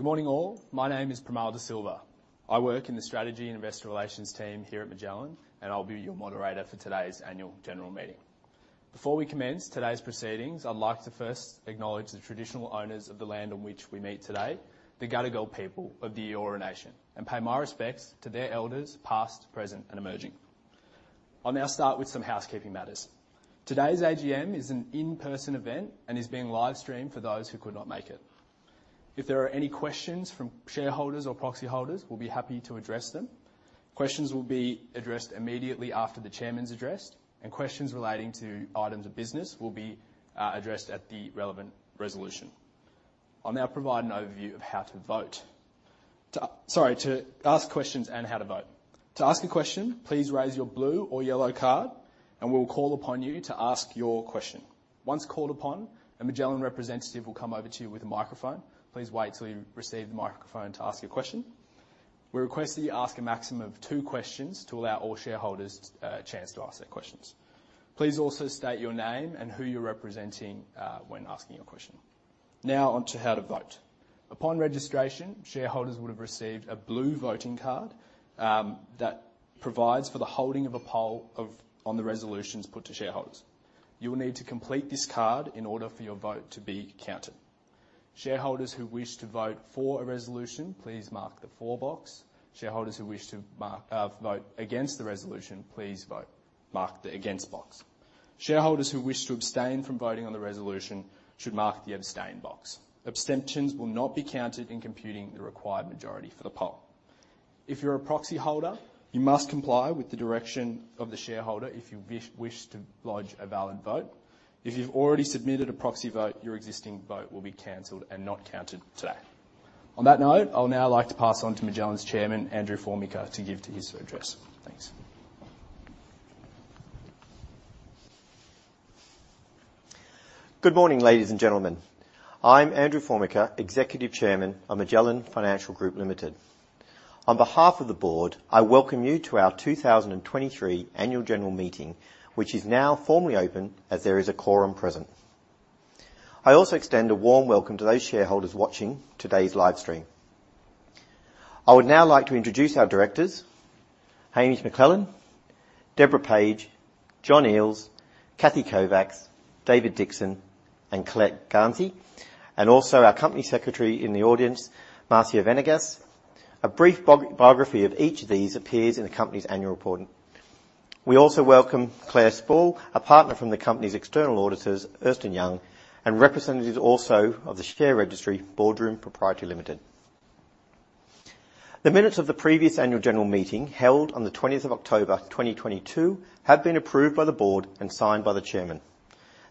Good morning, all. My name is Primal De Silva. I work in the Strategy and Investor Relations team here at Magellan, and I'll be your moderator for today's Annual General Meeting. Before we commence today's proceedings, I'd like to first acknowledge the traditional owners of the land on which we meet today, the Gadigal people of the Eora Nation, and pay my respects to their elders, past, present, and emerging. I'll now start with some housekeeping matters. Today's AGM is an in-person event and is being live-streamed for those who could not make it. If there are any questions from shareholders or proxy holders, we'll be happy to address them. Questions will be addressed immediately after the Chairman's address, and questions relating to items of business will be addressed at the relevant resolution. I'll now provide an overview of how to vote. To... Sorry, to ask questions and how to vote. To ask a question, please raise your blue or yellow card, and we'll call upon you to ask your question. Once called upon, a Magellan representative will come over to you with a microphone. Please wait till you receive the microphone to ask your question. We request that you ask a maximum of two questions to allow all shareholders a chance to ask their questions. Please also state your name and who you're representing when asking your question. Now on to how to vote. Upon registration, shareholders would have received a blue voting card that provides for the holding of a poll of, on the resolutions put to shareholders. You will need to complete this card in order for your vote to be counted. Shareholders who wish to vote for a resolution, please mark the For box. Shareholders who wish to mark, vote against the resolution, please vote mark the Against box. Shareholders who wish to abstain from voting on the resolution should mark the Abstain box. Abstentions will not be counted in computing the required majority for the poll. If you're a proxy holder, you must comply with the direction of the shareholder if you wish to lodge a valid vote. If you've already submitted a proxy vote, your existing vote will be canceled and not counted today. On that note, I'll now like to pass on to Magellan's Chairman, Andrew Formica, to give to his address. Thanks. Good morning, ladies and gentlemen. I'm Andrew Formica, Executive Chairman of Magellan Financial Group Limited. On behalf of the board, I welcome you to our 2023 Annual General Meeting, which is now formally open, as there is a quorum present. I also extend a warm welcome to those shareholders watching today's live stream. I would now like to introduce our directors, Hamish McLennan, Deborah Page, John Eales, Cathy Kovacs, David Dixon, and Colette Garnsey, and also our Company Secretary in the audience, Marcia Venegas. A brief biography of each of these appears in the company's annual report. We also welcome Clare Sporle, a partner from the company's external auditors, Ernst & Young, and representatives also of the share registry, Boardroom Pty Limited. The minutes of the previous Annual General Meeting, held on the 20th of October, 2022, have been approved by the board and signed by the chairman.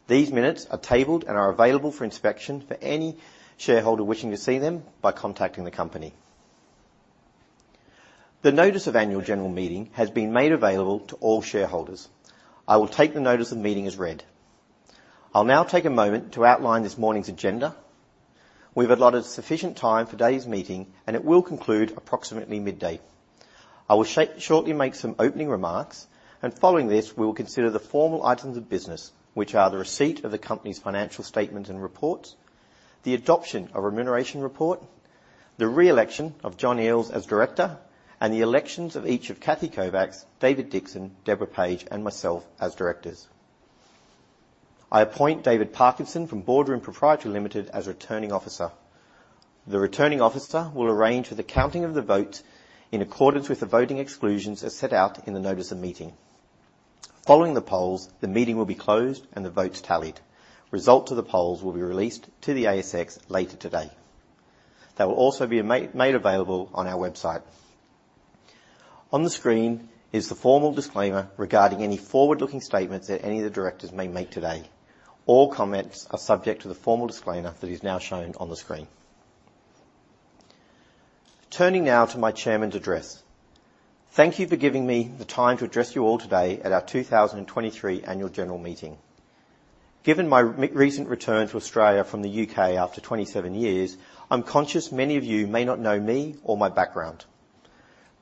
These minutes are tabled and are available for inspection for any shareholder wishing to see them by contacting the company. The notice of Annual General Meeting has been made available to all shareholders. I will take the notice of meeting as read. I'll now take a moment to outline this morning's agenda. We've allotted sufficient time for today's meeting, and it will conclude approximately midday. I will shortly make some opening remarks, and following this, we will consider the formal items of business, which are the receipt of the company's financial statements and reports, the adoption of Remuneration Report, the re-election of John Eales as director, and the elections of each of Cathy Kovacs, David Dixon, Deborah Page, and myself as directors. I appoint David Parkinson from Boardroom Pty Limited as Returning Officer. The Returning Officer will arrange for the counting of the votes in accordance with the voting exclusions as set out in the notice of meeting. Following the polls, the meeting will be closed and the votes tallied. Results of the polls will be released to the ASX later today. They will also be made available on our website. On the screen is the formal disclaimer regarding any forward-looking statements that any of the directors may make today. All comments are subject to the formal disclaimer that is now shown on the screen. Turning now to my Chairman's address. Thank you for giving me the time to address you all today at our 2023 Annual General Meeting. Given my m... Recent return to Australia from the U.K. after 27 years, I'm conscious many of you may not know me or my background.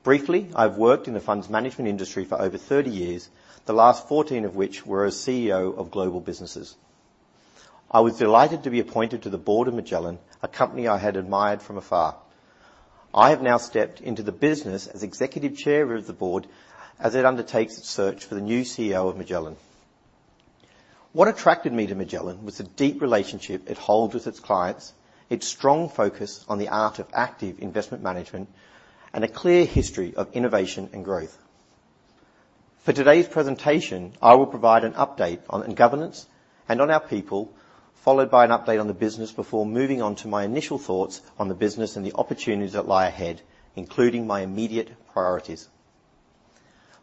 Briefly, I've worked in the funds management industry for over 30 years, the last 14 years of which were as CEO of global businesses. I was delighted to be appointed to the board of Magellan, a company I had admired from afar. I have now stepped into the business as Executive Chair of the board as it undertakes its search for the new CEO of Magellan. What attracted me to Magellan was the deep relationship it holds with its clients, its strong focus on the art of active investment management, and a clear history of innovation and growth. For today's presentation, I will provide an update on governance and on our people, followed by an update on the business before moving on to my initial thoughts on the business and the opportunities that lie ahead, including my immediate priorities.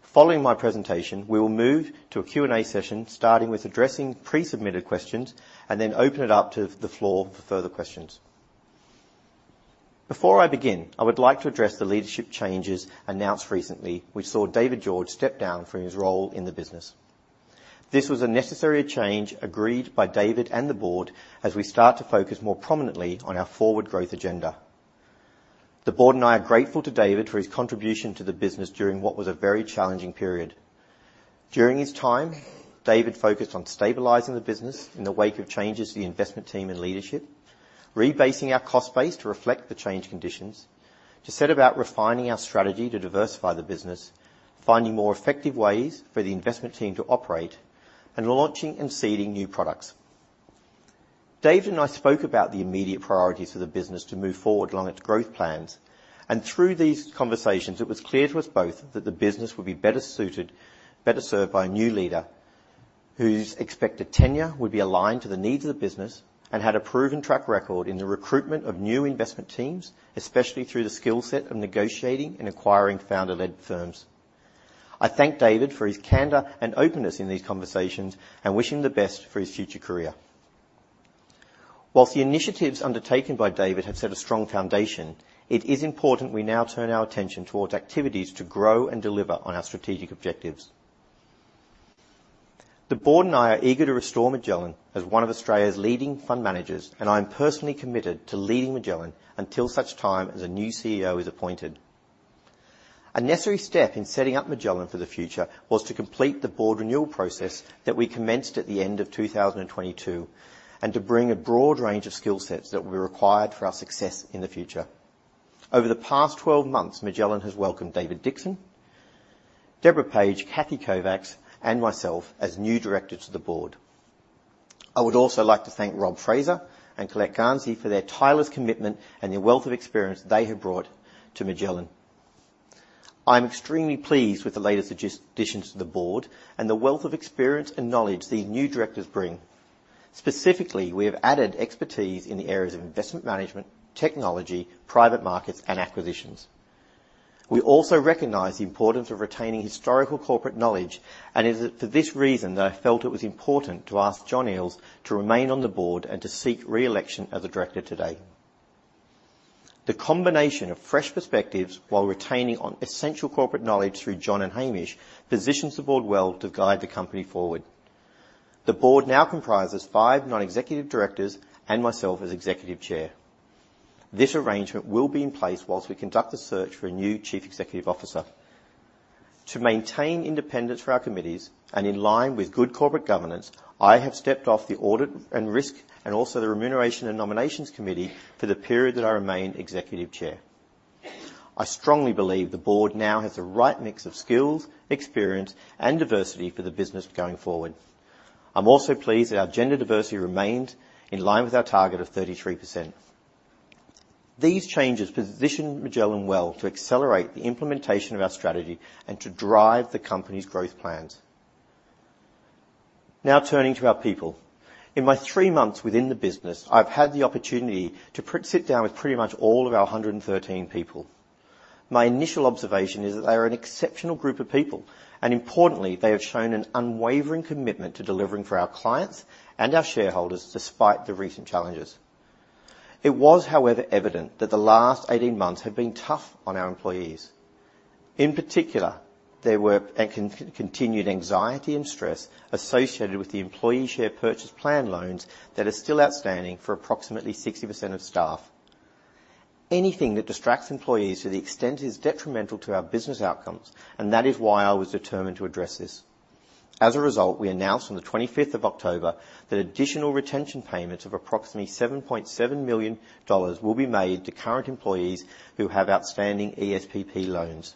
Following my presentation, we will move to a Q&A session, starting with addressing pre-submitted questions and then open it up to the floor for further questions. Before I begin, I would like to address the leadership changes announced recently, which saw David George step down from his role in the business. This was a necessary change agreed by David and the board as we start to focus more prominently on our forward growth agenda. The board and I are grateful to David for his contribution to the business during what was a very challenging period. During his time, David focused on stabilizing the business in the wake of changes to the investment team and leadership, rebasing our cost base to reflect the change conditions, to set about refining our strategy to diversify the business, finding more effective ways for the investment team to operate, and launching and seeding new products. David and I spoke about the immediate priorities of the business to move forward along its growth plans, and through these conversations, it was clear to us both that the business would be better suited, better served by a new leader, whose expected tenure would be aligned to the needs of the business and had a proven track record in the recruitment of new investment teams, especially through the skill set of negotiating and acquiring founder-led firms. I thank David for his candor and openness in these conversations, and wish him the best for his future career. While the initiatives undertaken by David have set a strong foundation, it is important we now turn our attention towards activities to grow and deliver on our strategic objectives. The board and I are eager to restore Magellan as one of Australia's leading fund managers, and I'm personally committed to leading Magellan until such time as a new CEO is appointed. A necessary step in setting up Magellan for the future was to complete the board renewal process that we commenced at the end of 2022, and to bring a broad range of skill sets that will be required for our success in the future. Over the past 12 months, Magellan has welcomed David Dixon, Deborah Page, Cathy Kovacs, and myself as new directors to the board. I would also like to thank Rob Fraser and Colette Garnsey for their tireless commitment and the wealth of experience they have brought to Magellan. I'm extremely pleased with the latest additions to the board and the wealth of experience and knowledge these new directors bring. Specifically, we have added expertise in the areas of investment management, technology, private markets, and acquisitions. We also recognize the importance of retaining historical corporate knowledge, and it is for this reason that I felt it was important to ask John Eales to remain on the board and to seek re-election as a director today. The combination of fresh perspectives while retaining our essential corporate knowledge through John and Hamish positions the board well to guide the company forward. The board now comprises five non-executive directors and myself as executive chair. This arrangement will be in place while we conduct the search for a new Chief Executive Officer. To maintain independence for our committees and in line with good corporate governance, I have stepped off the Audit and Risk, and also the Remuneration and Nominations Committee, for the period that I remain Executive Chair. I strongly believe the board now has the right mix of skills, experience, and diversity for the business going forward. I'm also pleased that our gender diversity remained in line with our target of 33%. These changes position Magellan well to accelerate the implementation of our strategy and to drive the company's growth plans. Now, turning to our people. In my three months within the business, I've had the opportunity to sit down with pretty much all of our 113 people. My initial observation is that they are an exceptional group of people, and importantly, they have shown an unwavering commitment to delivering for our clients and our shareholders, despite the recent challenges. It was, however, evident that the last 18 months have been tough on our employees. In particular, there was a continued anxiety and stress associated with the employee share purchase plan loans that are still outstanding for approximately 60% of staff. Anything that distracts employees to the extent is detrimental to our business outcomes, and that is why I was determined to address this. As a result, we announced on the 25th of October that additional retention payments of approximately 7.7 million dollars will be made to current employees who have outstanding ESPP loans.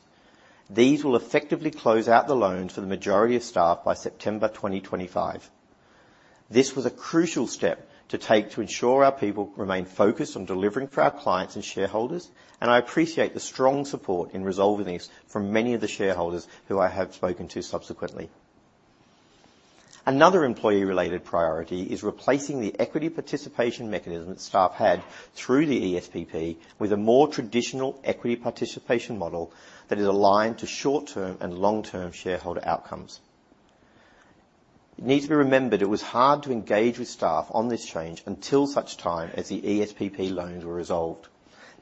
These will effectively close out the loans for the majority of staff by September 2025. This was a crucial step to take to ensure our people remain focused on delivering for our clients and shareholders, and I appreciate the strong support in resolving this from many of the shareholders who I have spoken to subsequently. Another employee-related priority is replacing the equity participation mechanism that staff had through the ESPP with a more traditional equity participation model that is aligned to short-term and long-term shareholder outcomes. It needs to be remembered it was hard to engage with staff on this change until such time as the ESPP loans were resolved.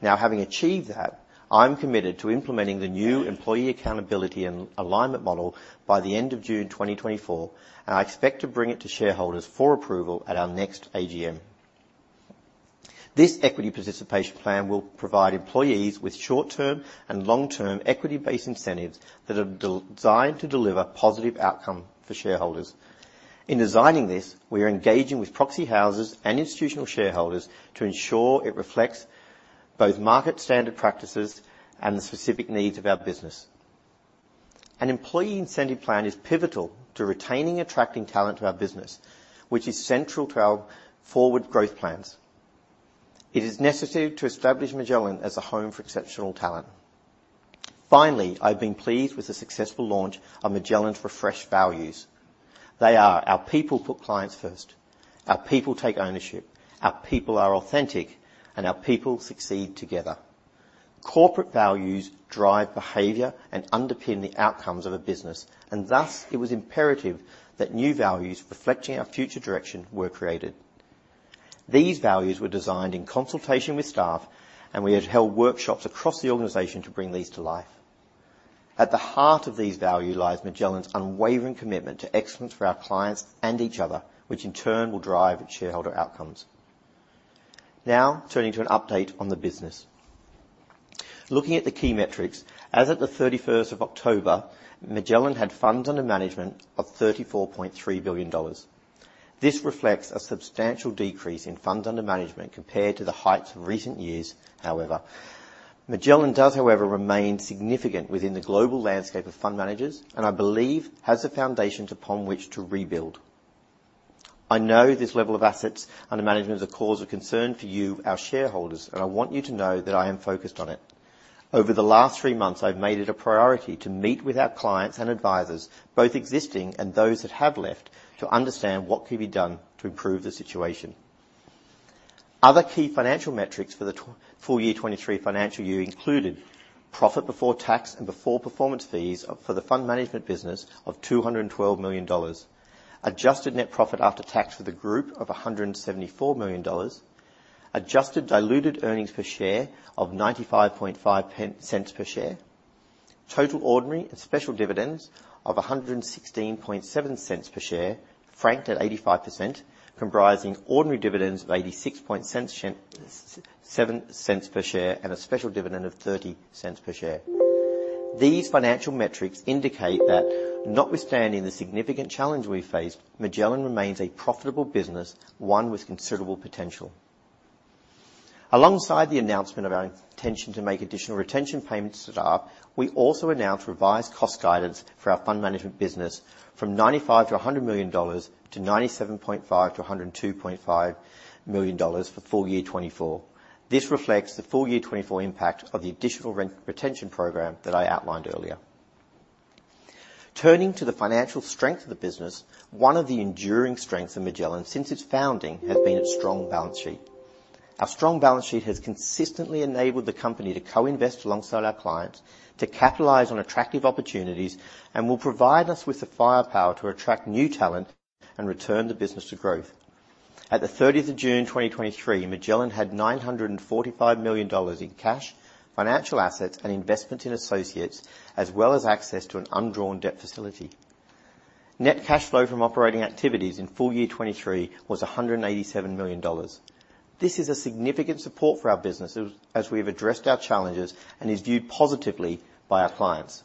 Now, having achieved that, I'm committed to implementing the new Employee Accountability and Alignment Model by the end of June 2024, and I expect to bring it to shareholders for approval at our next AGM. This equity participation plan will provide employees with short-term and long-term equity-based incentives that are designed to deliver positive outcome for shareholders. In designing this, we are engaging with proxy houses and institutional shareholders to ensure it reflects both market standard practices and the specific needs of our business. An employee incentive plan is pivotal to retaining and attracting talent to our business, which is central to our forward growth plans. It is necessary to establish Magellan as a home for exceptional talent. Finally, I've been pleased with the successful launch of Magellan's refreshed values. They are: our people put clients first, our people take ownership, our people are authentic, and our people succeed together. Corporate values drive behavior and underpin the outcomes of a business, and thus, it was imperative that new values reflecting our future direction were created.... These values were designed in consultation with staff, and we have held workshops across the organization to bring these to life. At the heart of these values lies Magellan's unwavering commitment to excellence for our clients and each other, which in turn will drive shareholder outcomes. Now, turning to an update on the business. Looking at the key metrics, as of the 31st of October, Magellan had funds under management of 34.3 billion dollars. This reflects a substantial decrease in funds under management compared to the heights of recent years. However, Magellan does, however, remain significant within the global landscape of fund managers, and I believe has the foundations upon which to rebuild. I know this level of assets under management is a cause of concern for you, our shareholders, and I want you to know that I am focused on it. Over the last three months, I've made it a priority to meet with our clients and advisors, both existing and those that have left, to understand what could be done to improve the situation. Other key financial metrics for the full year 2023 financial year included: profit before tax and before performance fees of, for the fund management business of 212 million dollars, adjusted net profit after tax for the group of 174 million dollars, adjusted diluted earnings per share of 0.955 per share, total ordinary and special dividends of 1.167 per share, franked at 85%, comprising ordinary dividends of 0.867 per share, and a special dividend of 0.30 per share. These financial metrics indicate that notwithstanding the significant challenge we faced, Magellan remains a profitable business, one with considerable potential. Alongside the announcement of our intention to make additional retention payments to staff, we also announced revised cost guidance for our fund management business from 95 million-100 million dollars to 97.5 million-102.5 million dollars for full year 2024. This reflects the full year 2024 impact of the additional retention program that I outlined earlier. Turning to the financial strength of the business, one of the enduring strengths of Magellan since its founding has been its strong balance sheet. Our strong balance sheet has consistently enabled the company to co-invest alongside our clients, to capitalize on attractive opportunities, and will provide us with the firepower to attract new talent and return the business to growth. At the 30th June 2023, Magellan had 945 million dollars in cash, financial assets and investment in associates, as well as access to an undrawn debt facility. Net cash flow from operating activities in full year 2023 was 187 million dollars. This is a significant support for our business as we've addressed our challenges and is viewed positively by our clients.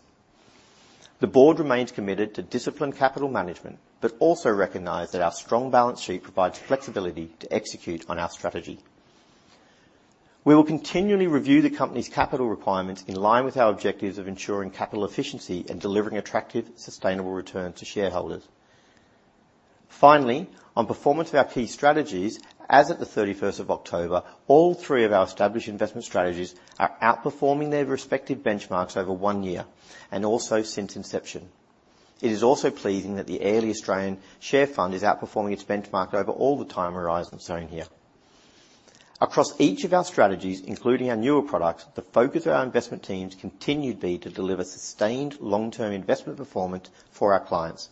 The board remains committed to disciplined capital management, but also recognize that our strong balance sheet provides flexibility to execute on our strategy. We will continually review the company's capital requirements in line with our objectives of ensuring capital efficiency and delivering attractive, sustainable return to shareholders. Finally, on performance of our key strategies, as of the 31st of October, all three of our established investment strategies are outperforming their respective benchmarks over one year and also since inception. It is also pleasing that the Airlie Australian Share Fund is outperforming its benchmark over all the time horizons shown here. Across each of our strategies, including our newer products, the focus of our investment teams continued to be to deliver sustained long-term investment performance for our clients.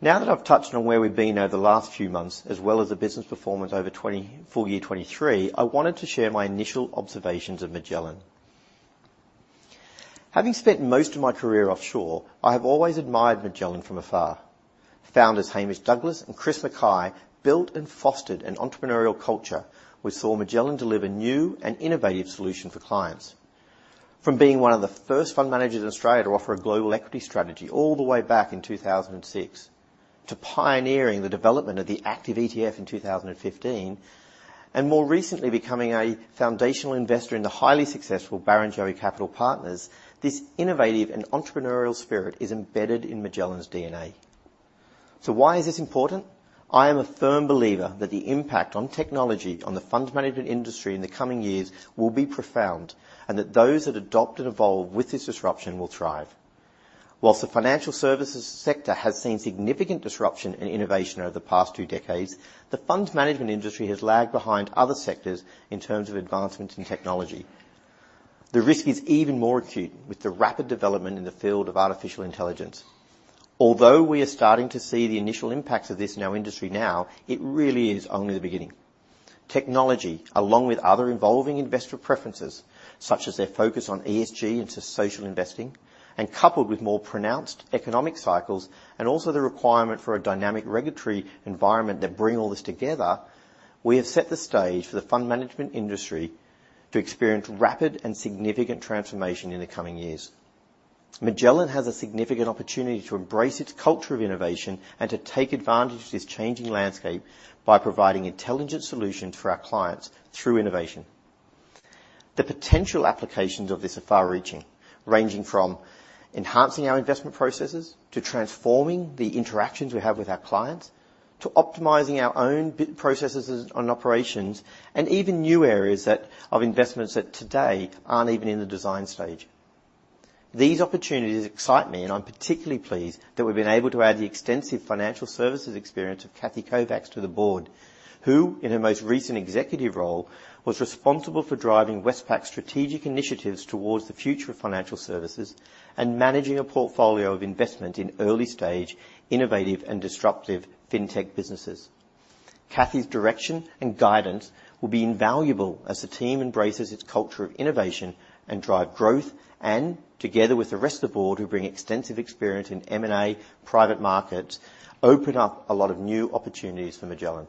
Now that I've touched on where we've been over the last few months, as well as the business performance over the full year 2023, I wanted to share my initial observations of Magellan. Having spent most of my career offshore, I have always admired Magellan from afar. Founders Hamish Douglass and Chris Mackay built and fostered an entrepreneurial culture, which saw Magellan deliver new and innovative solutions for clients. From being one of the first fund managers in Australia to offer a global equity strategy all the way back in 2006, to pioneering the development of the active ETF in 2015, and more recently, becoming a foundational investor in the highly successful Barrenjoey Capital Partners, this innovative and entrepreneurial spirit is embedded in Magellan's DNA. So why is this important? I am a firm believer that the impact on technology on the funds management industry in the coming years will be profound, and that those that adopt and evolve with this disruption will thrive. While the financial services sector has seen significant disruption and innovation over the past two decades, the funds management industry has lagged behind other sectors in terms of advancements in technology. The risk is even more acute with the rapid development in the field of artificial intelligence. Although we are starting to see the initial impacts of this in our industry now, it really is only the beginning. Technology, along with other evolving investor preferences, such as their focus on ESG into social investing, and coupled with more pronounced economic cycles, and also the requirement for a dynamic regulatory environment that bring all this together, we have set the stage for the fund management industry to experience rapid and significant transformation in the coming years. Magellan has a significant opportunity to embrace its culture of innovation and to take advantage of this changing landscape by providing intelligent solutions for our clients through innovation. The potential applications of this are far-reaching, ranging from enhancing our investment processes, to transforming the interactions we have with our clients, to optimizing our own business processes and operations, and even new areas that, of investments that today aren't even in the design stage. These opportunities excite me, and I'm particularly pleased that we've been able to add the extensive financial services experience of Cathy Kovacs to the board, who, in her most recent executive role, was responsible for driving Westpac's strategic initiatives towards the future of financial services and managing a portfolio of investment in early-stage, innovative and disruptive fintech businesses. Cathy's direction and guidance will be invaluable as the team embraces its culture of innovation and drive growth, and together with the rest of the board, who bring extensive experience in M&A, private markets, open up a lot of new opportunities for Magellan.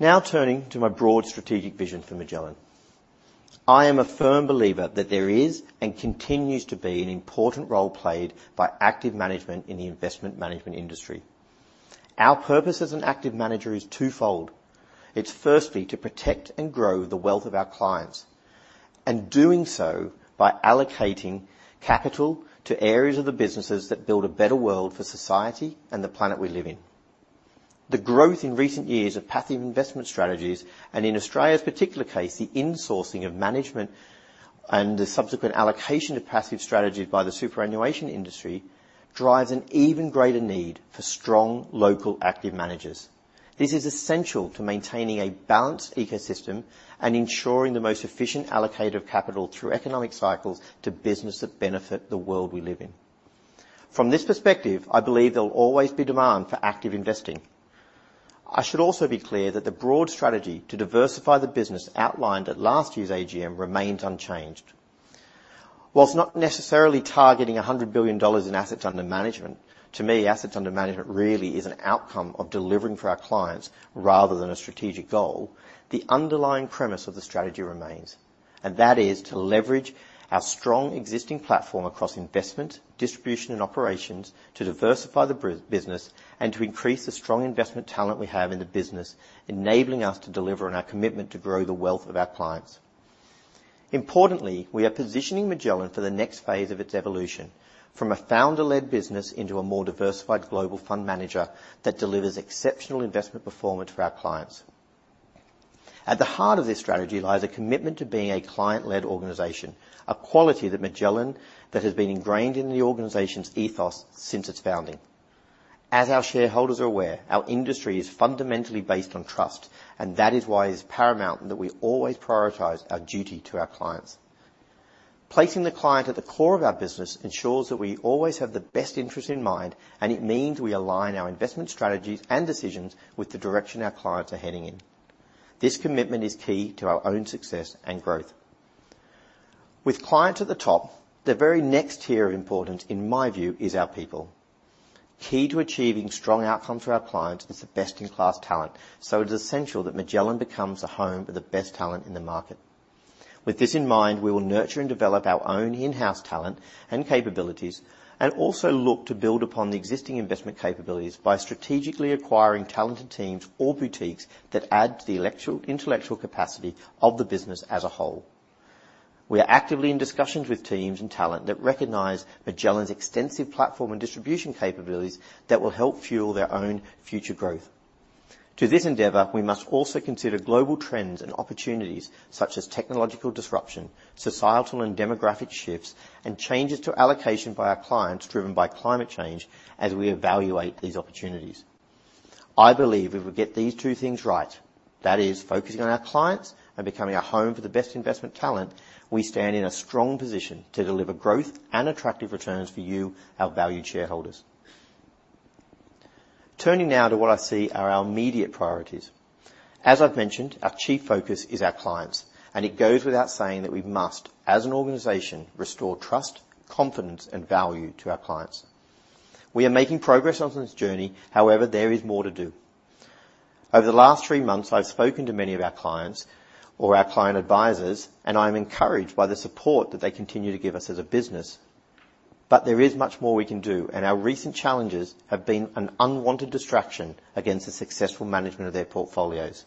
Now, turning to my broad strategic vision for Magellan. I am a firm believer that there is and continues to be an important role played by active management in the investment management industry. Our purpose as an active manager is twofold: It's firstly, to protect and grow the wealth of our clients, and doing so by allocating capital to areas of the businesses that build a better world for society and the planet we live in. The growth in recent years of passive investment strategies, and in Australia's particular case, the insourcing of management and the subsequent allocation of passive strategies by the superannuation industry, drives an even greater need for strong, local, active managers. This is essential to maintaining a balanced ecosystem and ensuring the most efficient allocator of capital through economic cycles to business that benefit the world we live in. From this perspective, I believe there will always be demand for active investing. I should also be clear that the broad strategy to diversify the business outlined at last year's AGM remains unchanged. While not necessarily targeting 100 billion dollars in assets under management, to me, assets under management really is an outcome of delivering for our clients rather than a strategic goal. The underlying premise of the strategy remains, and that is to leverage our strong existing platform across investment, distribution, and operations, to diversify the business, and to increase the strong investment talent we have in the business, enabling us to deliver on our commitment to grow the wealth of our clients. Importantly, we are positioning Magellan for the next phase of its evolution, from a founder-led business into a more diversified global fund manager that delivers exceptional investment performance for our clients. At the heart of this strategy lies a commitment to being a client-led organization, a quality that Magellan, that has been ingrained in the organization's ethos since its founding. As our shareholders are aware, our industry is fundamentally based on trust, and that is why it's paramount that we always prioritize our duty to our clients. Placing the client at the core of our business ensures that we always have the best interest in mind, and it means we align our investment strategies and decisions with the direction our clients are heading in. This commitment is key to our own success and growth. With clients at the top, the very next tier of importance, in my view, is our people. Key to achieving strong outcomes for our clients is the best-in-class talent, so it is essential that Magellan becomes a home for the best talent in the market. With this in mind, we will nurture and develop our own in-house talent and capabilities, and also look to build upon the existing investment capabilities by strategically acquiring talented teams or boutiques that add to the intellectual capacity of the business as a whole. We are actively in discussions with teams and talent that recognize Magellan's extensive platform and distribution capabilities that will help fuel their own future growth. To this endeavor, we must also consider global trends and opportunities, such as technological disruption, societal and demographic shifts, and changes to allocation by our clients, driven by climate change, as we evaluate these opportunities. I believe if we get these two things right, that is, focusing on our clients and becoming a home for the best investment talent, we stand in a strong position to deliver growth and attractive returns for you, our valued shareholders. Turning now to what I see are our immediate priorities. As I've mentioned, our chief focus is our clients, and it goes without saying that we must, as an organization, restore trust, confidence, and value to our clients. We are making progress on this journey. However, there is more to do. Over the last three months, I've spoken to many of our clients or our client advisors, and I'm encouraged by the support that they continue to give us as a business. But there is much more we can do, and our recent challenges have been an unwanted distraction against the successful management of their portfolios.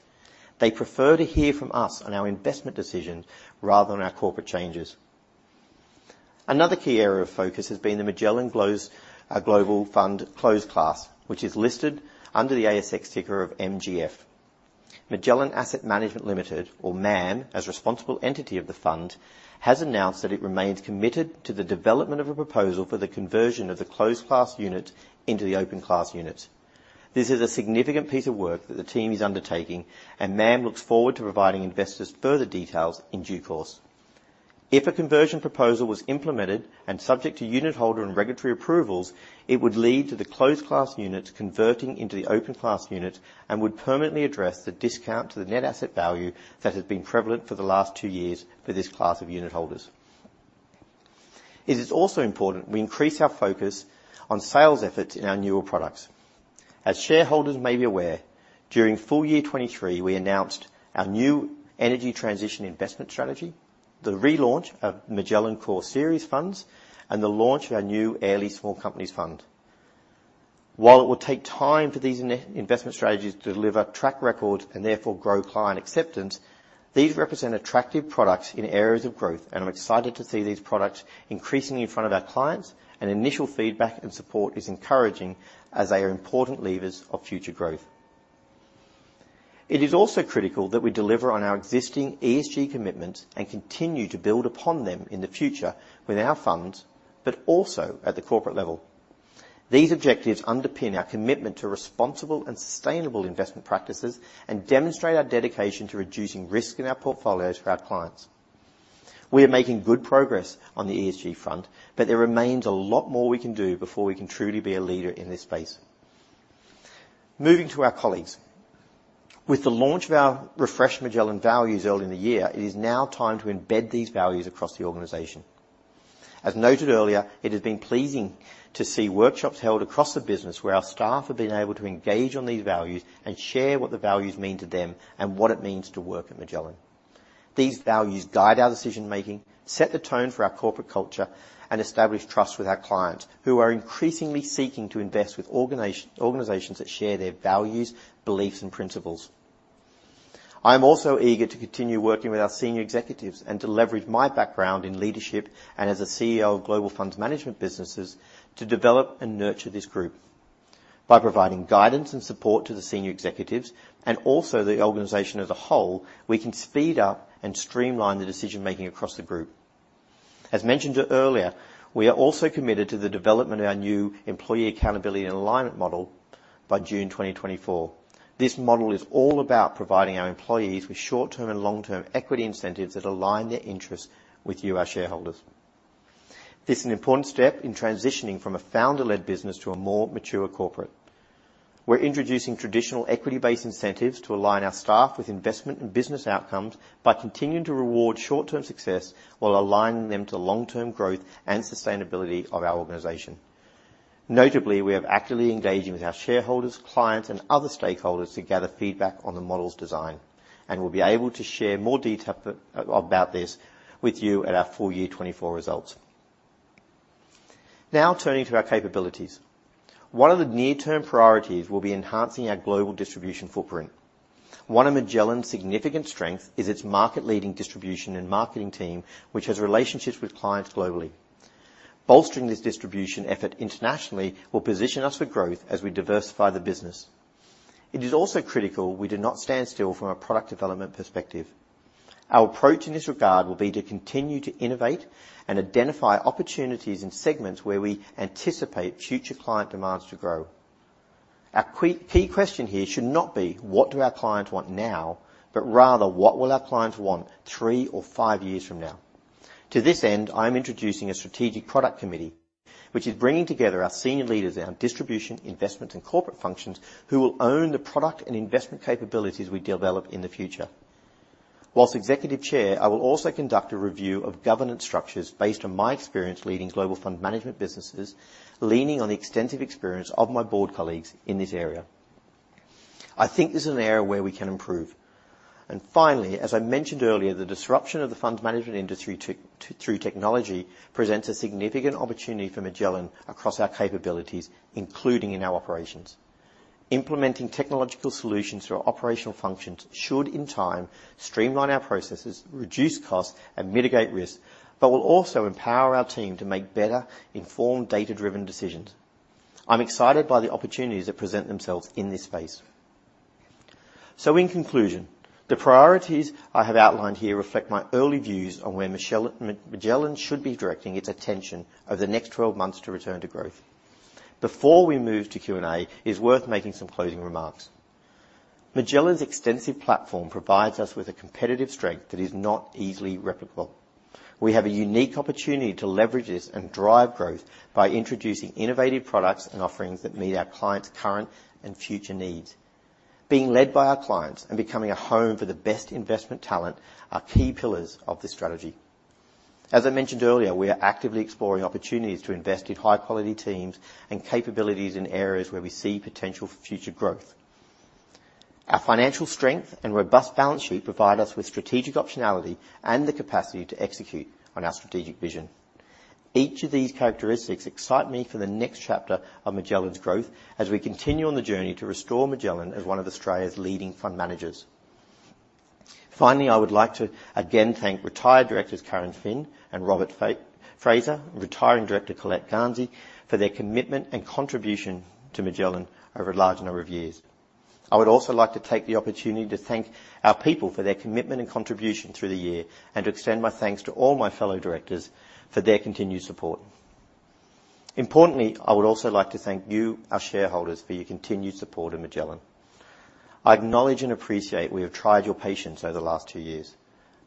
They prefer to hear from us on our investment decisions rather than our corporate changes. Another key area of focus has been the Magellan Global Fund Closed Class, which is listed under the ASX ticker of MGF. Magellan Asset Management Limited, or MAM, as responsible entity of the fund, has announced that it remains committed to the development of a proposal for the conversion of the Closed Class Unit into the Open Class Units. This is a significant piece of work that the team is undertaking, and MAM looks forward to providing investors further details in due course. If a conversion proposal was implemented and subject to unitholder and regulatory approvals, it would lead to the Closed Class Units converting into the Open Class Units and would permanently address the discount to the net asset value that has been prevalent for the last two years for this class of unitholders. It is also important we increase our focus on sales efforts in our newer products. As shareholders may be aware, during full year 2023, we announced our new Energy Transition Investment Strategy, the relaunch of Magellan Core Series funds, and the launch of our new Airlie Small Companies Fund. While it will take time for these investment strategies to deliver track record and therefore grow client acceptance, these represent attractive products in areas of growth, and I'm excited to see these products increasing in front of our clients, and initial feedback and support is encouraging as they are important levers of future growth. It is also critical that we deliver on our existing ESG commitments and continue to build upon them in the future with our funds, but also at the corporate level. These objectives underpin our commitment to responsible and sustainable investment practices and demonstrate our dedication to reducing risk in our portfolio for our clients. We are making good progress on the ESG front, but there remains a lot more we can do before we can truly be a leader in this space. Moving to our colleagues. With the launch of our refreshed Magellan values early in the year, it is now time to embed these values across the organization. As noted earlier, it has been pleasing to see workshops held across the business, where our staff have been able to engage on these values and share what the values mean to them and what it means to work at Magellan. These values guide our decision-making, set the tone for our corporate culture, and establish trust with our clients, who are increasingly seeking to invest with organizations that share their values, beliefs, and principles. I'm also eager to continue working with our senior executives and to leverage my background in leadership and as a CEO of global funds management businesses, to develop and nurture this group. By providing guidance and support to the senior executives, and also the organization as a whole, we can speed up and streamline the decision-making across the group. As mentioned earlier, we are also committed to the development of our new Employee Accountability and Alignment Model by June 2024. This model is all about providing our employees with short-term and long-term equity incentives that align their interests with you, our shareholders. This is an important step in transitioning from a founder-led business to a more mature corporate. We're introducing traditional equity-based incentives to align our staff with investment and business outcomes by continuing to reward short-term success, while aligning them to long-term growth and sustainability of our organization. Notably, we have actively engaging with our shareholders, clients, and other stakeholders to gather feedback on the model's design, and we'll be able to share more detail about this with you at our full year 2024 results. Now, turning to our capabilities. One of the near-term priorities will be enhancing our global distribution footprint. One of Magellan's significant strength is its market-leading distribution and marketing team, which has relationships with clients globally. Bolstering this distribution effort internationally will position us for growth as we diversify the business. It is also critical we do not stand still from a product development perspective. Our approach in this regard will be to continue to innovate and identify opportunities in segments where we anticipate future client demands to grow. Our key question here should not be: What do our clients want now? But rather, what will our clients want three or five years from now? To this end, I am introducing a strategic product committee, which is bringing together our senior leaders in our distribution, investment, and corporate functions, who will own the product and investment capabilities we develop in the future. Whilst Executive Chair, I will also conduct a review of governance structures based on my experience leading global fund management businesses, leaning on the extensive experience of my board colleagues in this area. I think this is an area where we can improve. Finally, as I mentioned earlier, the disruption of the funds management industry through technology presents a significant opportunity for Magellan across our capabilities, including in our operations. Implementing technological solutions through our operational functions should, in time, streamline our processes, reduce costs, and mitigate risks, but will also empower our team to make better, informed, data-driven decisions. I'm excited by the opportunities that present themselves in this space. So in conclusion, the priorities I have outlined here reflect my early views on where Magellan should be directing its attention over the next 12 months to return to growth. Before we move to Q&A, it's worth making some closing remarks. Magellan's extensive platform provides us with a competitive strength that is not easily replicable. We have a unique opportunity to leverage this and drive growth by introducing innovative products and offerings that meet our clients' current and future needs. Being led by our clients and becoming a home for the best investment talent are key pillars of this strategy. As I mentioned earlier, we are actively exploring opportunities to invest in high-quality teams and capabilities in areas where we see potential for future growth. Our financial strength and robust balance sheet provide us with strategic optionality and the capacity to execute on our strategic vision. Each of these characteristics excite me for the next chapter of Magellan's growth, as we continue on the journey to restore Magellan as one of Australia's leading fund managers. Finally, I would like to again thank retired directors, Karen Phin and Robert Fraser, and retiring director, Colette Garnsey, for their commitment and contribution to Magellan over a large number of years. I would also like to take the opportunity to thank our people for their commitment and contribution through the year, and to extend my thanks to all my fellow directors for their continued support. Importantly, I would also like to thank you, our shareholders, for your continued support in Magellan. I acknowledge and appreciate we have tried your patience over the last two years.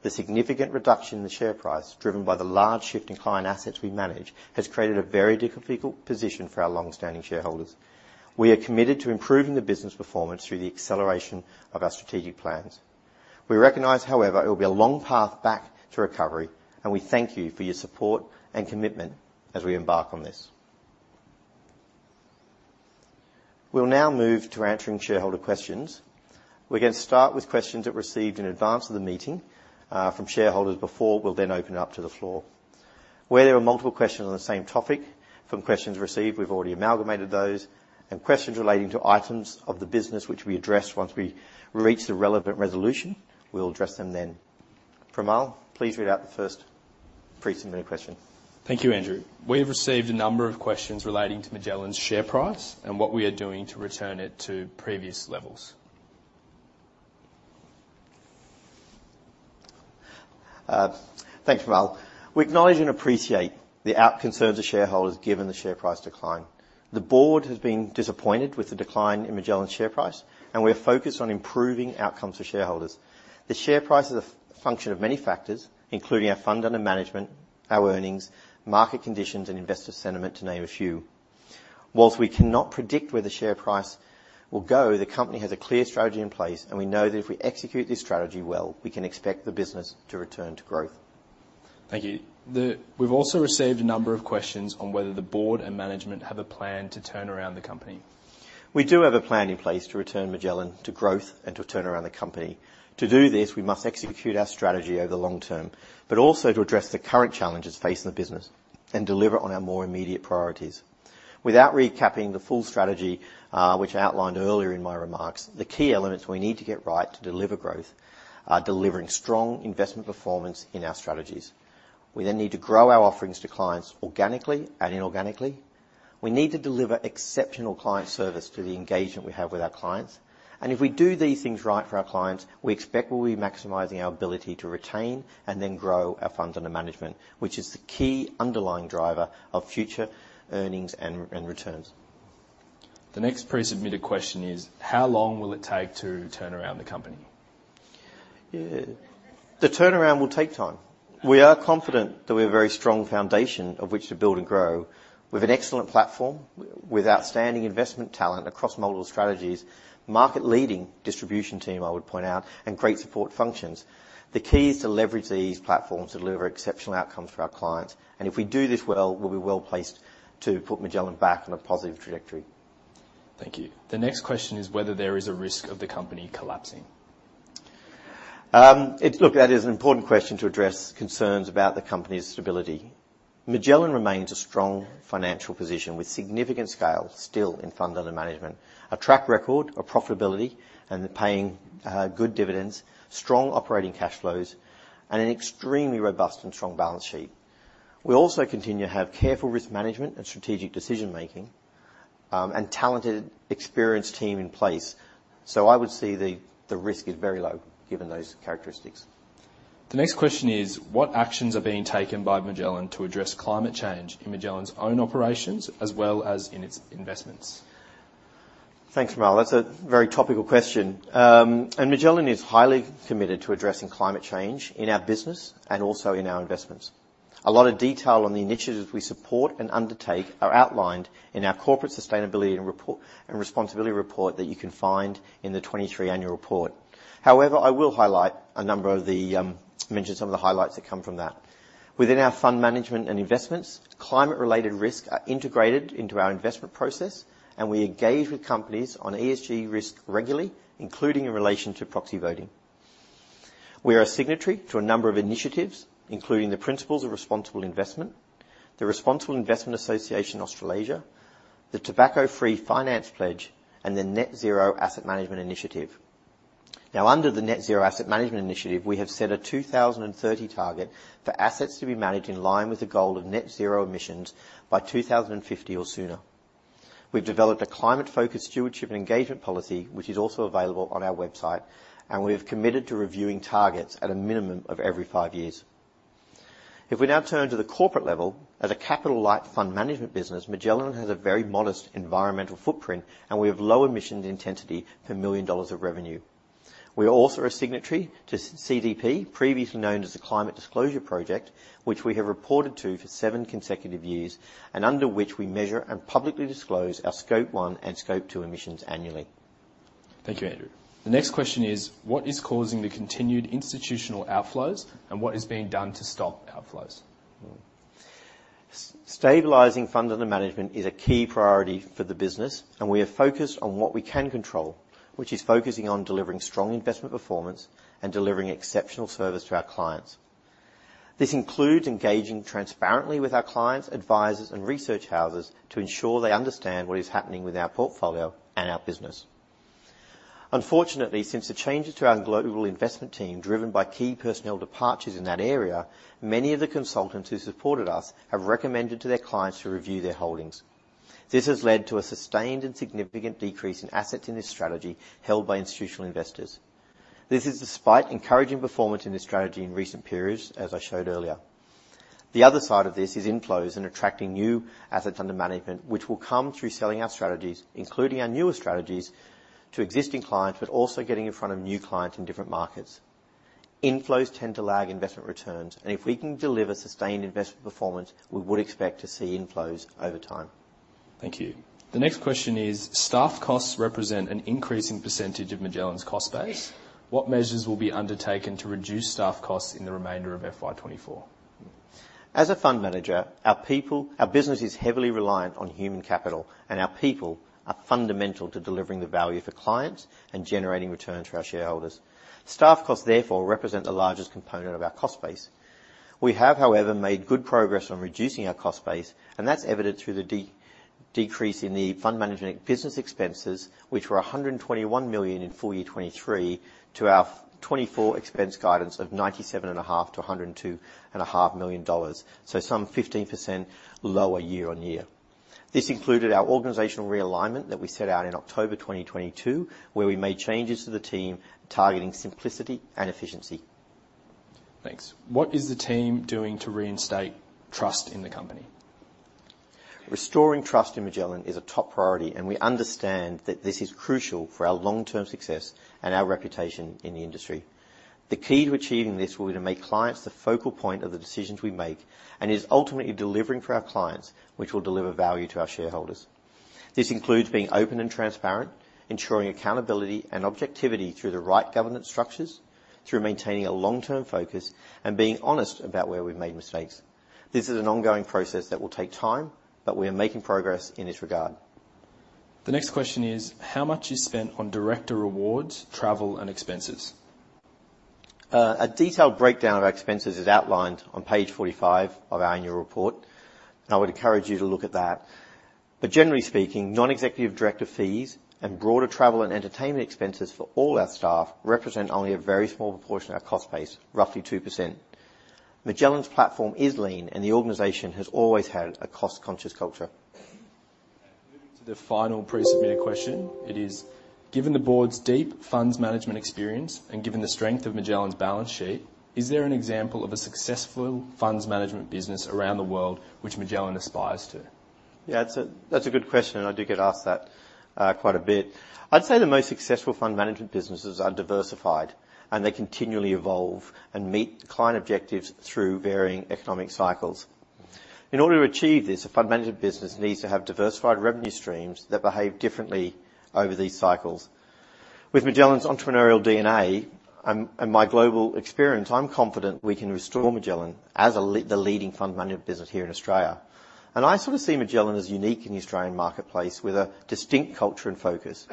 The significant reduction in the share price, driven by the large shift in client assets we manage, has created a very difficult position for our long-standing shareholders. We are committed to improving the business performance through the acceleration of our strategic plans. We recognize, however, it will be a long path back to recovery, and we thank you for your support and commitment as we embark on this. We'll now move to answering shareholder questions. We're going to start with questions that were received in advance of the meeting, from shareholders before, we'll then open it up to the floor. Where there are multiple questions on the same topic, from questions received, we've already amalgamated those, and questions relating to items of the business, which we address once we reach the relevant resolution, we'll address them then. Primal, please read out the first pre-submitted question. Thank you, Andrew. We've received a number of questions relating to Magellan's share price and what we are doing to return it to previous levels. Thank you, Primal. We acknowledge and appreciate our concerns of shareholders, given the share price decline. The board has been disappointed with the decline in Magellan's share price, and we are focused on improving outcomes for shareholders. The share price is a function of many factors, including our fund under management, our earnings, market conditions, and investor sentiment, to name a few. While we cannot predict where the share price will go, the company has a clear strategy in place, and we know that if we execute this strategy well, we can expect the business to return to growth. Thank you. We've also received a number of questions on whether the board and management have a plan to turn around the company. We do have a plan in place to return Magellan to growth and to turn around the company. To do this, we must execute our strategy over the long term, but also to address the current challenges facing the business and deliver on our more immediate priorities. Without recapping the full strategy, which I outlined earlier in my remarks, the key elements we need to get right to deliver growth are: delivering strong investment performance in our strategies. We then need to grow our offerings to clients organically and inorganically. We need to deliver exceptional client service to the engagement we have with our clients. And if we do these things right for our clients, we expect we'll be maximizing our ability to retain and then grow our funds under management, which is the key underlying driver of future earnings and, and returns. The next pre-submitted question is: How long will it take to turn around the company? Yeah, the turnaround will take time. We are confident that we have a very strong foundation of which to build and grow, with an excellent platform, with outstanding investment talent across multiple strategies, market-leading distribution team, I would point out, and great support functions. The key is to leverage these platforms to deliver exceptional outcomes for our clients, and if we do this well, we'll be well-placed to put Magellan back on a positive trajectory. Thank you. The next question is whether there is a risk of the company collapsing. Look, that is an important question to address concerns about the company's stability. Magellan remains a strong financial position with significant scale still in fund under management, a track record of profitability, and paying, good dividends, strong operating cash flows, and an extremely robust and strong balance sheet. We also continue to have careful risk management and strategic decision-making, and talented, experienced team in place. So I would say the, the risk is very low, given those characteristics. The next question is: what actions are being taken by Magellan to address climate change in Magellan's own operations, as well as in its investments? Thanks, Jamal. That's a very topical question. Magellan is highly committed to addressing climate change in our business and also in our investments. A lot of detail on the initiatives we support and undertake are outlined in our corporate sustainability and responsibility report that you can find in the 2023 annual report. However, I will mention some of the highlights that come from that. Within our fund management and investments, climate-related risks are integrated into our investment process, and we engage with companies on ESG risk regularly, including in relation to proxy voting. We are a signatory to a number of initiatives, including the Principles of Responsible Investment, the Responsible Investment Association Australasia, the Tobacco-Free Finance Pledge, and the Net Zero Asset Management Initiative. Now, under the Net Zero Asset Management Initiative, we have set a 2030 target for assets to be managed in line with the goal of net zero emissions by 2050 or sooner. We've developed a climate-focused stewardship and engagement policy, which is also available on our website, and we have committed to reviewing targets at a minimum of every five years. If we now turn to the corporate level, as a capital-light fund management business, Magellan has a very modest environmental footprint, and we have low emissions intensity per 1 million dollars of revenue. We are also a signatory to CDP, previously known as the Climate Disclosure Project, which we have reported to for seven consecutive years and under which we measure and publicly disclose our Scope 1 and Scope 2 emissions annually. Thank you, Andrew. The next question is: What is causing the continued institutional outflows, and what is being done to stop outflows? Stabilizing funds under management is a key priority for the business, and we are focused on what we can control, which is focusing on delivering strong investment performance and delivering exceptional service to our clients. This includes engaging transparently with our clients, advisors, and research houses to ensure they understand what is happening with our portfolio and our business. Unfortunately, since the changes to our global investment team, driven by key personnel departures in that area, many of the consultants who supported us have recommended to their clients to review their holdings. This has led to a sustained and significant decrease in assets in this strategy held by institutional investors. This is despite encouraging performance in this strategy in recent periods, as I showed earlier. The other side of this is inflows and attracting new assets under management, which will come through selling our strategies, including our newer strategies, to existing clients, but also getting in front of new clients in different markets. Inflows tend to lag investment returns, and if we can deliver sustained investment performance, we would expect to see inflows over time. Thank you. The next question is: Staff costs represent an increasing percentage of Magellan's cost base. What measures will be undertaken to reduce staff costs in the remainder of FY 2024? As a fund manager, our people, our business is heavily reliant on human capital, and our people are fundamental to delivering the value for clients and generating returns for our shareholders. Staff costs, therefore, represent the largest component of our cost base. We have, however, made good progress on reducing our cost base, and that's evident through the decrease in the fund management business expenses, which were 121 million in full year 2023 to our 2024 expense guidance of 97.5 million-102.5 million dollars, so some 15% lower year-on-year. This included our organizational realignment that we set out in October 2022, where we made changes to the team, targeting simplicity and efficiency. Thanks. What is the team doing to reinstate trust in the company? Restoring trust in Magellan is a top priority, and we understand that this is crucial for our long-term success and our reputation in the industry. The key to achieving this will be to make clients the focal point of the decisions we make, and is ultimately delivering for our clients, which will deliver value to our shareholders. This includes being open and transparent, ensuring accountability and objectivity through the right governance structures, through maintaining a long-term focus and being honest about where we've made mistakes. This is an ongoing process that will take time, but we are making progress in this regard. The next question is: How much is spent on director rewards, travel, and expenses? A detailed breakdown of our expenses is outlined on page 45 of our annual report, and I would encourage you to look at that. But generally speaking, non-executive director fees and broader travel and entertainment expenses for all our staff represent only a very small proportion of our cost base, roughly 2%. Magellan's platform is lean, and the organization has always had a cost-conscious culture. Moving to the final pre-submitted question, it is: Given the board's deep funds management experience and given the strength of Magellan's balance sheet, is there an example of a successful funds management business around the world which Magellan aspires to? Yeah, that's a, that's a good question, and I do get asked that quite a bit. I'd say the most successful fund management businesses are diversified, and they continually evolve and meet client objectives through varying economic cycles. In order to achieve this, a fund management business needs to have diversified revenue streams that behave differently over these cycles. With Magellan's entrepreneurial DNA and my global experience, I'm confident we can restore Magellan as the leading fund management business here in Australia. And I sort of see Magellan as unique in the Australian marketplace, with a distinct culture and focus.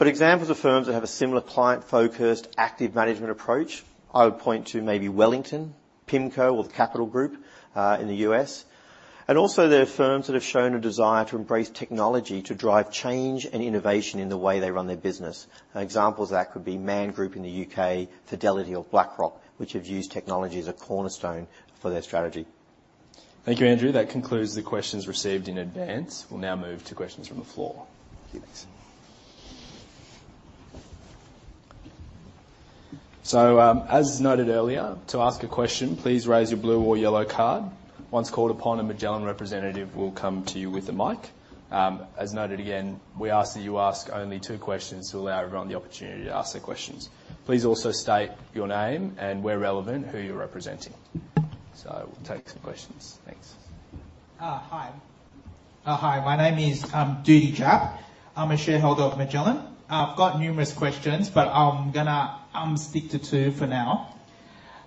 But examples of firms that have a similar client-focused, active management approach, I would point to maybe Wellington, PIMCO, or The Capital Group in the U.S. Also, there are firms that have shown a desire to embrace technology to drive change and innovation in the way they run their business. Examples of that could be Man Group in the U.K., Fidelity or BlackRock, which have used technology as a cornerstone for their strategy. Thank you, Andrew. That concludes the questions received in advance. We'll now move to questions from the floor. Thanks. So, as noted earlier, to ask a question, please raise your blue or yellow card. Once called upon, a Magellan representative will come to you with the mic. As noted again, we ask that you ask only two questions to allow everyone the opportunity to ask their questions. Please also state your name and, where relevant, who you're representing. So we'll take some questions. Thanks. Hi, my name is Dudy Jap. I'm a shareholder of Magellan. I've got numerous questions, but I'm gonna stick to two for now.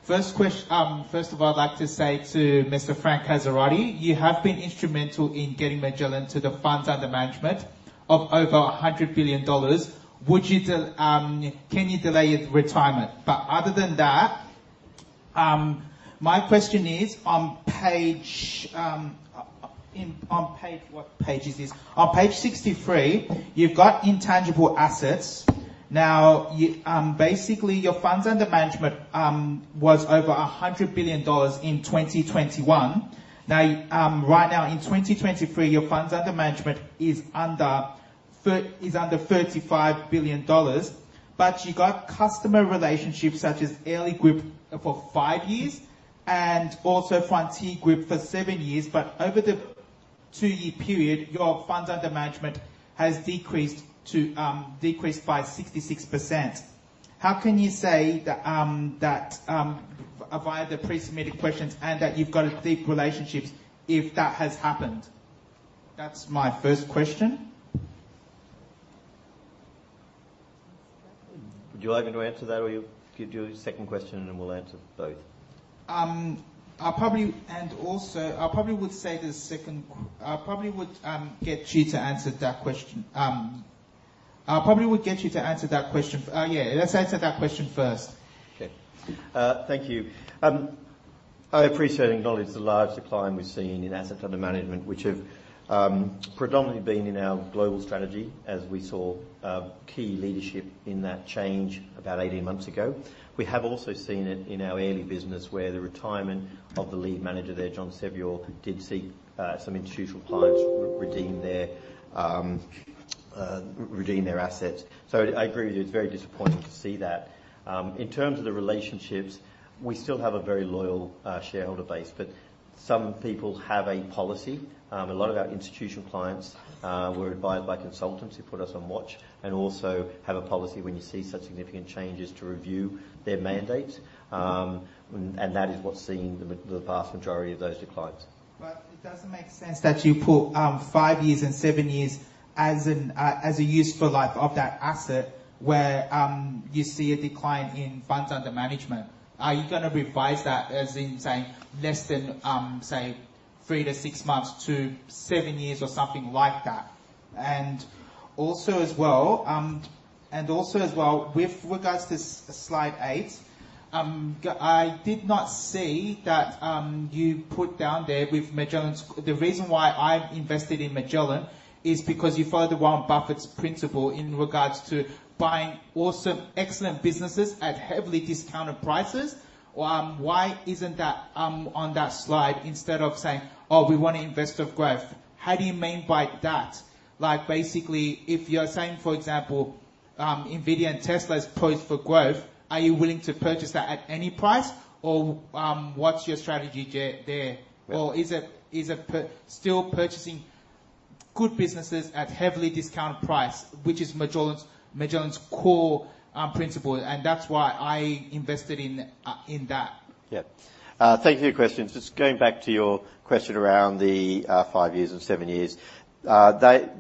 First of all, I'd like to say to Mr. Frank Casarotti, you have been instrumental in getting Magellan to the funds under management of over 100 billion dollars. Can you delay your retirement? But other than that, my question is, on page 63, you've got intangible assets. Now, basically, your funds under management was over 100 billion dollars in 2021. Now, right now, in 2023, your funds under management is under 35 billion dollars, but you got customer relationships such as Airlie Group for five years and also Frontier Group for seven years. But over the two-year period, your funds under management has decreased to, decreased by 66%. How can you say that via the pre-submitted questions and that you've got deep relationships, if that has happened? That's my first question. Would you like me to answer that, or you give your second question, and then we'll answer both? I'll probably get you to answer that question. Yeah, let's answer that question first. Okay. Thank you. I appreciate and acknowledge the large decline we've seen in assets under management, which have predominantly been in our global strategy as we saw key leadership in that change about 18 months ago. We have also seen it in our Airlie business, where the retirement of the lead manager there, John Sevior, did see some institutional clients redeem their assets. So I agree with you, it's very disappointing to see that. In terms of the relationships, we still have a very loyal shareholder base, but some people have a policy. A lot of our institutional clients were advised by consultants who put us on watch and also have a policy when you see such significant changes to review their mandate. And that is what's seeing the vast majority of those declines. But it doesn't make sense that you put five years and seven years as a useful life of that asset, where you see a decline in funds under management. Are you gonna revise that, as in, say, less than, say, three to six months to seven years or something like that? And also, as well, and also as well, with regards to slide eight, I did not see that you put down there with Magellan's... The reason why I've invested in Magellan is because you follow the Warren Buffett's principle in regards to buying awesome, excellent businesses at heavily discounted prices. Why isn't that on that slide, instead of saying, "Oh, we want to invest of growth"? How do you mean by that? Like, basically, if you're saying, for example-... NVIDIA and Tesla's poised for growth, are you willing to purchase that at any price, or, what's your strategy there, there? Or is it, is it still purchasing good businesses at heavily discounted price, which is Magellan's, Magellan's core principle, and that's why I invested in that. Yeah. Thank you for your question. Just going back to your question around the five years and seven years. That,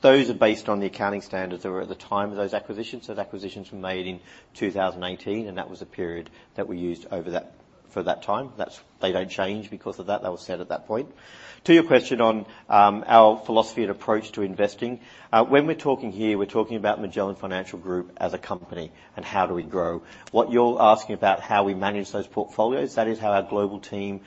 those are based on the accounting standards that were at the time of those acquisitions. So the acquisitions were made in 2018, and that was a period that we used over that, for that time. That's. They don't change because of that. They were set at that point. To your question on our philosophy and approach to investing, when we're talking here, we're talking about Magellan Financial Group as a company and how do we grow. What you're asking about, how we manage those portfolios, that is how our global team...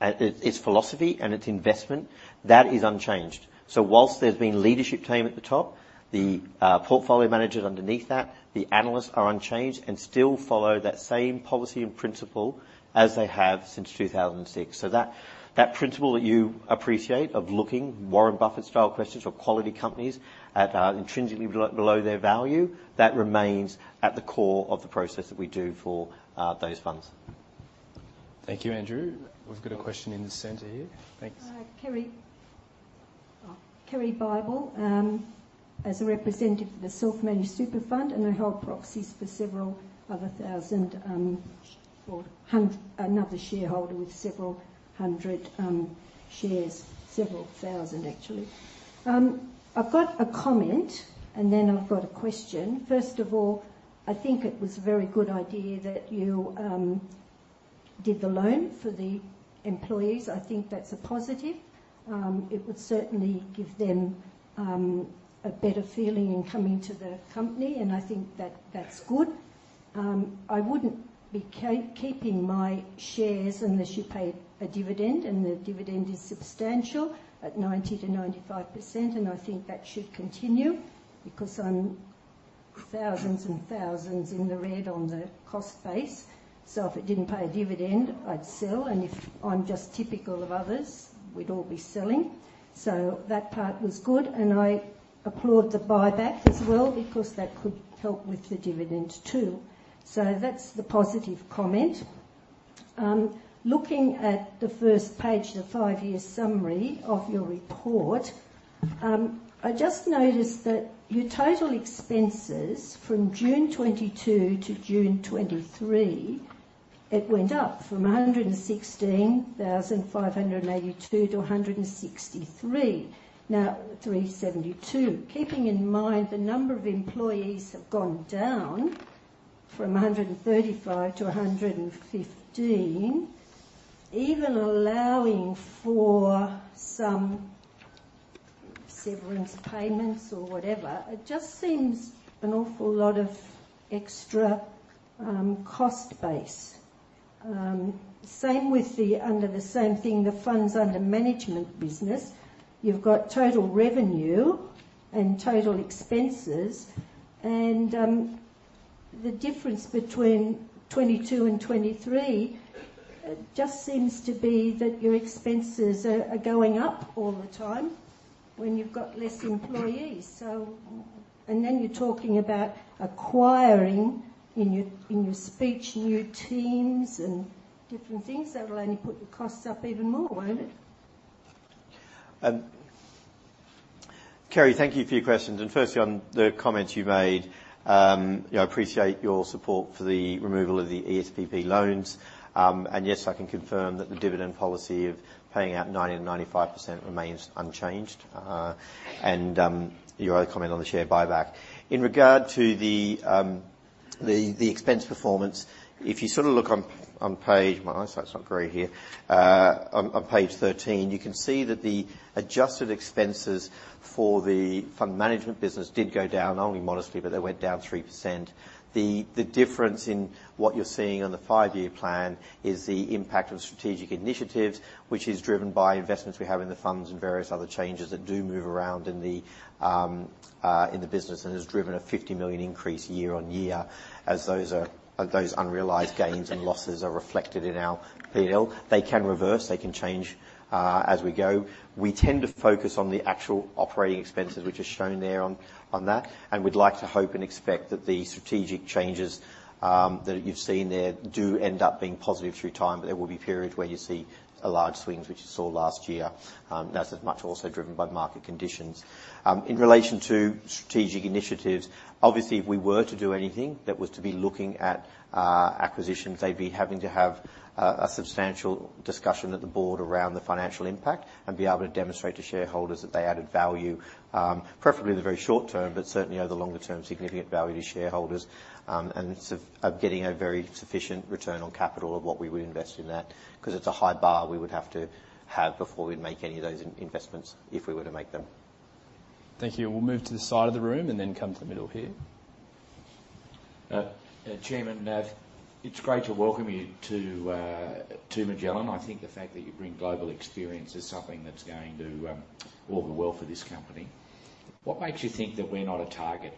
Its philosophy and its investment, that is unchanged. So while there's been leadership team at the top, the portfolio managers underneath that, the analysts are unchanged and still follow that same policy and principle as they have since 2006. So that, that principle that you appreciate of looking Warren Buffett-style questions for quality companies at intrinsically below their value, that remains at the core of the process that we do for those funds. Thank you, Andrew. We've got a question in the center here. Thanks. Kerry. Kerry Bible. As a representative for the self-managed super fund, and I hold proxies for several of a thousand, or another shareholder with several hundred, shares. Several thousand, actually. I've got a comment, and then I've got a question. First of all, I think it was a very good idea that you did the loan for the employees. I think that's a positive. It would certainly give them a better feeling in coming to the company, and I think that's good. I wouldn't be keeping my shares unless you pay a dividend, and the dividend is substantial at 90%-95%, and I think that should continue, because I'm thousands and thousands in the red on the cost base. So if it didn't pay a dividend, I'd sell, and if I'm just typical of others, we'd all be selling. So that part was good, and I applaud the buyback as well, because that could help with the dividend, too. So that's the positive comment. Looking at the first page, the five-year summary of your report, I just noticed that your total expenses from June 2022 to June 2023, it went up from 116,582 to 163,372. Keeping in mind, the number of employees have gone down from 135 to 115. Even allowing for some severance payments or whatever, it just seems an awful lot of extra, cost base. Same with the, under the same thing, the funds under management business. You've got total revenue and total expenses, and the difference between 2022 and 2023 just seems to be that your expenses are going up all the time when you've got less employees. And then you're talking about acquiring, in your speech, new teams and different things. That will only put your costs up even more, won't it? Kerry, thank you for your questions. And firstly, on the comments you made, you know, I appreciate your support for the removal of the ESPP loans. And yes, I can confirm that the dividend policy of paying out 90%-95% remains unchanged, and your other comment on the share buyback. In regard to the expense performance, if you sort of look on page... My eyesight's not great here. On page 13, you can see that the adjusted expenses for the fund management business did go down, only modestly, but they went down 3%. The difference in what you're seeing on the five-year plan is the impact of strategic initiatives, which is driven by investments we have in the funds and various other changes that do move around in the business and has driven a 50 million increase year-on-year, as those unrealized gains and losses are reflected in our P&L. They can reverse, they can change, as we go. We tend to focus on the actual operating expenses, which is shown there on that, and we'd like to hope and expect that the strategic changes that you've seen there do end up being positive through time, but there will be periods where you see large swings, which you saw last year. That's as much also driven by the market conditions. In relation to strategic initiatives, obviously, if we were to do anything that was to be looking at acquisitions, they'd be having to have a substantial discussion at the board around the financial impact and be able to demonstrate to shareholders that they added value, preferably in the very short term, but certainly over the longer term, significant value to shareholders. And so of getting a very sufficient return on capital of what we would invest in that, 'cause it's a high bar we would have to have before we'd make any of those investments, if we were to make them. Thank you. We'll move to this side of the room and then come to the middle here. Chairman, it's great to welcome you to Magellan. I think the fact that you bring global experience is something that's going to all be well for this company. What makes you think that we're not a target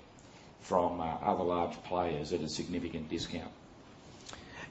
from other large players at a significant discount?...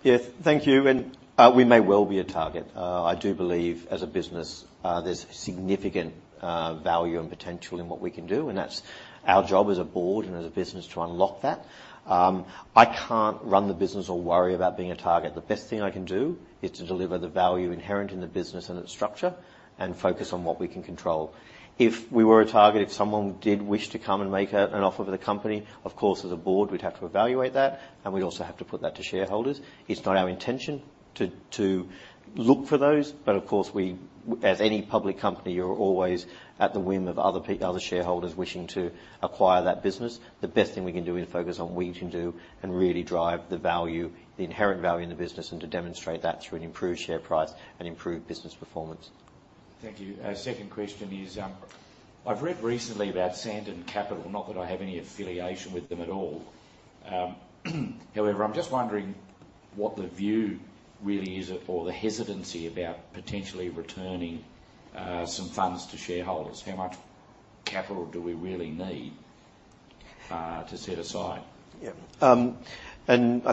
Yes, thank you. And, we may well be a target. I do believe as a business, there's significant value and potential in what we can do, and that's our job as a board and as a business to unlock that. I can't run the business or worry about being a target. The best thing I can do is to deliver the value inherent in the business and its structure and focus on what we can control. If we were a target, if someone did wish to come and make an offer for the company, of course, as a board, we'd have to evaluate that, and we'd also have to put that to shareholders. It's not our intention to look for those, but of course, we, as any public company, you're always at the whim of other shareholders wishing to acquire that business. The best thing we can do is focus on what we can do and really drive the value, the inherent value in the business, and to demonstrate that through an improved share price and improved business performance. Thank you. Second question is, I've read recently about Sandon Capital, not that I have any affiliation with them at all. However, I'm just wondering what the view really is, or the hesitancy about potentially returning some funds to shareholders. How much capital do we really need to set aside? Yeah. And I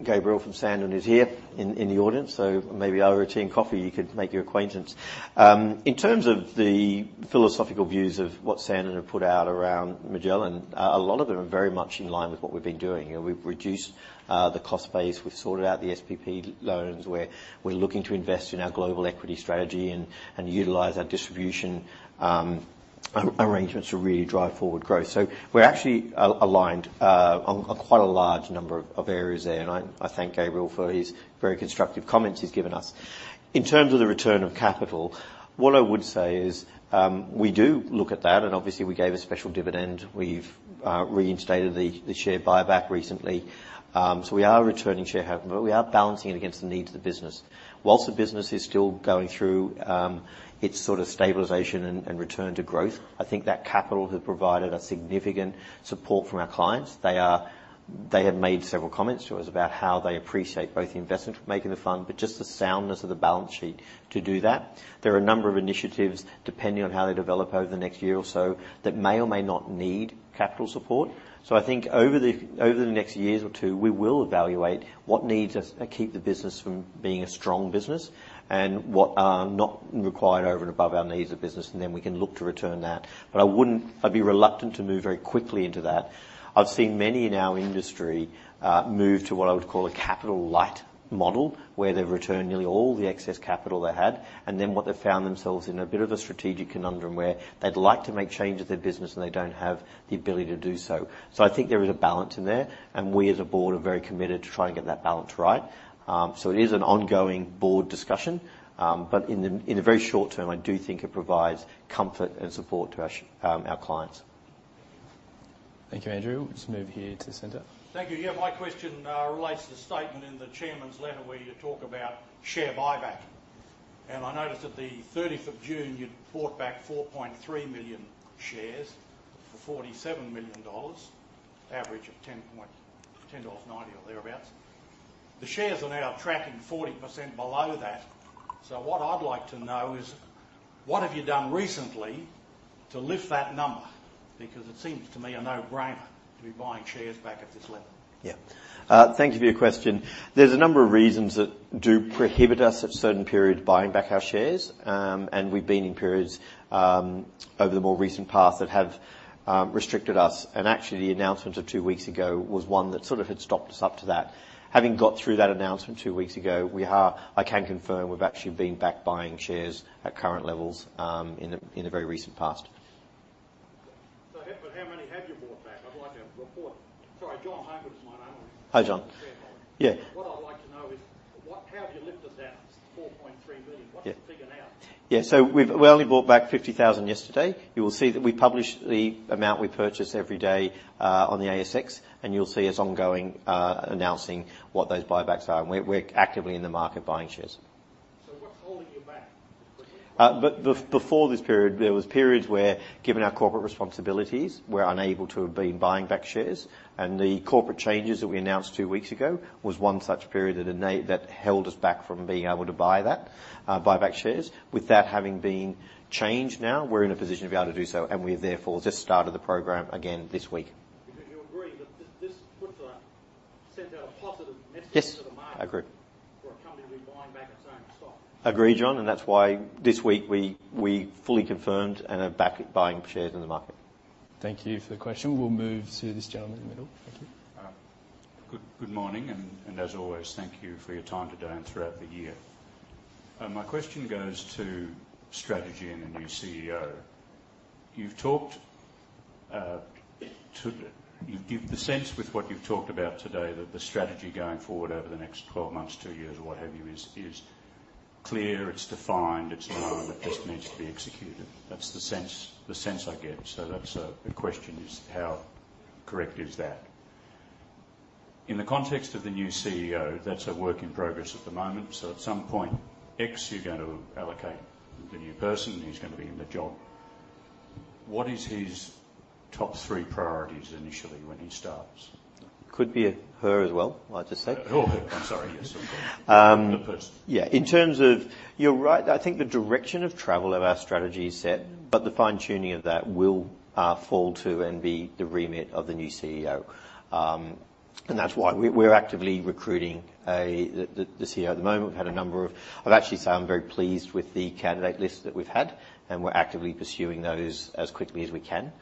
think Gabriel from Sandon is here in the audience, so maybe over a tea and coffee, you could make your acquaintance. In terms of the philosophical views of what Sandon have put out around Magellan, a lot of them are very much in line with what we've been doing. You know, we've reduced the cost base, we've sorted out the SPP loans, where we're looking to invest in our global equity strategy and utilize our distribution arrangements to really drive forward growth. So we're actually aligned on quite a large number of areas there, and I thank Gabriel for his very constructive comments he's given us. In terms of the return of capital, what I would say is, we do look at that, and obviously, we gave a special dividend. We've reinstated the share buyback recently. So we are returning shareholder value. But we are balancing it against the needs of the business. While the business is still going through its sort of stabilization and return to growth, I think that capital has provided a significant support from our clients. They have made several comments to us about how they appreciate both the investment for making the fund, but just the soundness of the balance sheet to do that. There are a number of initiatives, depending on how they develop over the next year or so, that may or may not need capital support. So I think over the next year or two, we will evaluate what needs us to keep the business from being a strong business and what are not required over and above our needs of business, and then we can look to return that. But I wouldn't. I'd be reluctant to move very quickly into that. I've seen many in our industry move to what I would call a capital light model, where they've returned nearly all the excess capital they had, and then what they've found themselves in a bit of a strategic conundrum where they'd like to make changes to their business and they don't have the ability to do so. So I think there is a balance in there, and we as a board are very committed to try and get that balance right. So it is an ongoing board discussion, but in the very short term, I do think it provides comfort and support to our clients. Thank you, Andrew. Let's move here to the center. Thank you. Yeah, my question relates to the statement in the chairman's letter, where you talk about share buyback. And I noticed at the thirtieth of June, you'd bought back 4.3 million shares for 47 million dollars, average of 10.90 dollars or thereabouts. The shares are now tracking 40% below that. So what I'd like to know is, what have you done recently to lift that number? Because it seems to me a no-brainer to be buying shares back at this level. Yeah. Thank you for your question. There's a number of reasons that do prohibit us at certain periods, buying back our shares. And we've been in periods, over the more recent past that have, restricted us. And actually, the announcement of two weeks ago was one that sort of had stopped us up to that. Having got through that announcement two weeks ago, we are... I can confirm we've actually been back buying shares at current levels, in the, in the very recent past. So, but how many have you bought back? I'd like to have a report. Sorry, John Homewood is my name. Hi, John. Yeah. What I'd like to know is, how have you lifted that AUD 4.3 million? Yeah. What's the figure now? Yeah. So we've only bought back 50,000 yesterday. You will see that we publish the amount we purchase every day on the ASX, and you'll see us ongoing announcing what those buybacks are. And we're actively in the market buying shares. What's holding you back? Before this period, there was periods where, given our corporate responsibilities, we're unable to have been buying back shares, and the corporate changes that we announced two weeks ago was one such period that held us back from being able to buy that, buy back shares. With that having been changed now, we're in a position to be able to do so, and we've therefore just started the program again this week. Because you agree that this puts a... Sends out a positive message- Yes to the market Agree. for a company to be buying back its own stock. Agree, John, and that's why this week we fully confirmed and are back at buying shares in the market. Thank you for the question. We'll move to this gentleman in the middle. Thank you. Good morning, and as always, thank you for your time today and throughout the year. My question goes to strategy and the new CEO. You've talked to the... You've give the sense with what you've talked about today, that the strategy going forward over the next 12 months, two years, or what have you, is clear, it's defined, it's known, it just needs to be executed. That's the sense, the sense I get. So that's the question is: How correct is that? In the context of the new CEO, that's a work in progress at the moment. So at some point, X, you're going to allocate the new person, and he's going to be in the job. What is his top three priorities initially when he starts? It could be a her as well, I'll just say. Oh, I'm sorry, yes, of course. Um- The person. Yeah. In terms of... You're right. I think the direction of travel of our strategy is set, but the fine-tuning of that will fall to and be the remit of the new CEO. And that's why we're actively recruiting the CEO at the moment. We've had a number of-- I'd actually say I'm very pleased with the candidate list that we've had, and we're actively pursuing those as quickly as we can.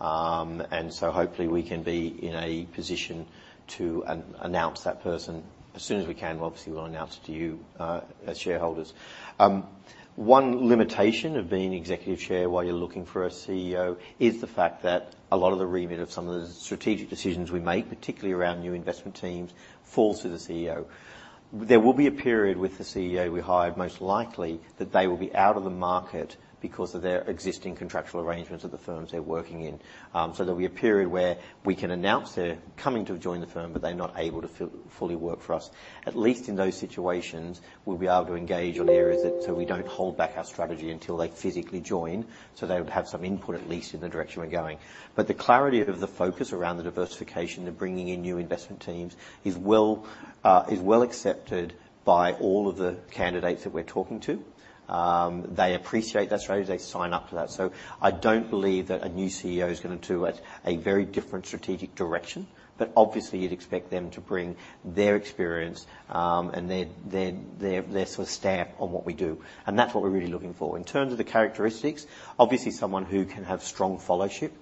And so hopefully, we can be in a position to announce that person as soon as we can. Obviously, we'll announce it to you as shareholders. One limitation of being executive chair while you're looking for a CEO is the fact that a lot of the remit of some of the strategic decisions we make, particularly around new investment teams, falls to the CEO. There will be a period with the CEO we hire, most likely, that they will be out of the market because of their existing contractual arrangements at the firms they're working in. So there'll be a period where we can announce they're coming to join the firm, but they're not able to fully work for us. At least in those situations, we'll be able to engage on areas that, so we don't hold back our strategy until they physically join. So they would have some input, at least, in the direction we're going. But the clarity of the focus around the diversification and bringing in new investment teams is well, is well accepted by all of the candidates that we're talking to. They appreciate that strategy. They sign up to that. So I don't believe that a new CEO is gonna do a very different strategic direction, but obviously, you'd expect them to bring their experience, and their sort of stamp on what we do, and that's what we're really looking for. In terms of the characteristics, obviously, someone who can have strong followership,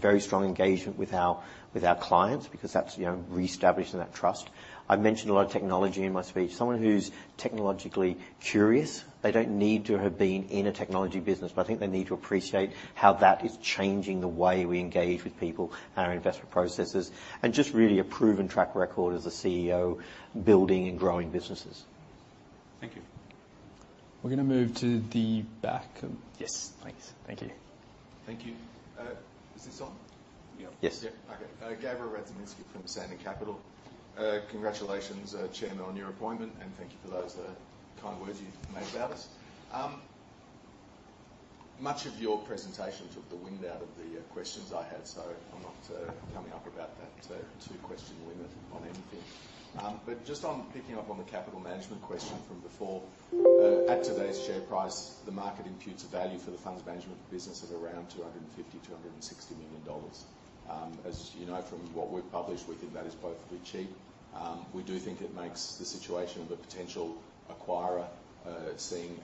very strong engagement with our, with our clients, because that's, you know, reestablishing that trust. I mentioned a lot of technology in my speech. Someone who's technologically curious. They don't need to have been in a technology business, but I think they need to appreciate how that is changing the way we engage with people and our investment processes, and just really a proven track record as a CEO, building and growing businesses. Thank you. We're gonna move to the back of- Yes, thanks. Thank you. Thank you. Is this on? Yeah. Yes. Yeah. Okay. Gabriel Radzyminski from Sandon Capital. Congratulations, Chairman, on your appointment, and thank you for those kind words you made about us. Much of your presentation took the wind out of the questions I had, so I'm not coming up about that two-question limit on anything. But just on picking up on the capital management question from before, at today's share price, the market imputes a value for the funds management business at around 250 million-260 million dollars. As you know, from what we've published, we think that is both cheap. We do think it makes the situation of a potential acquirer seeing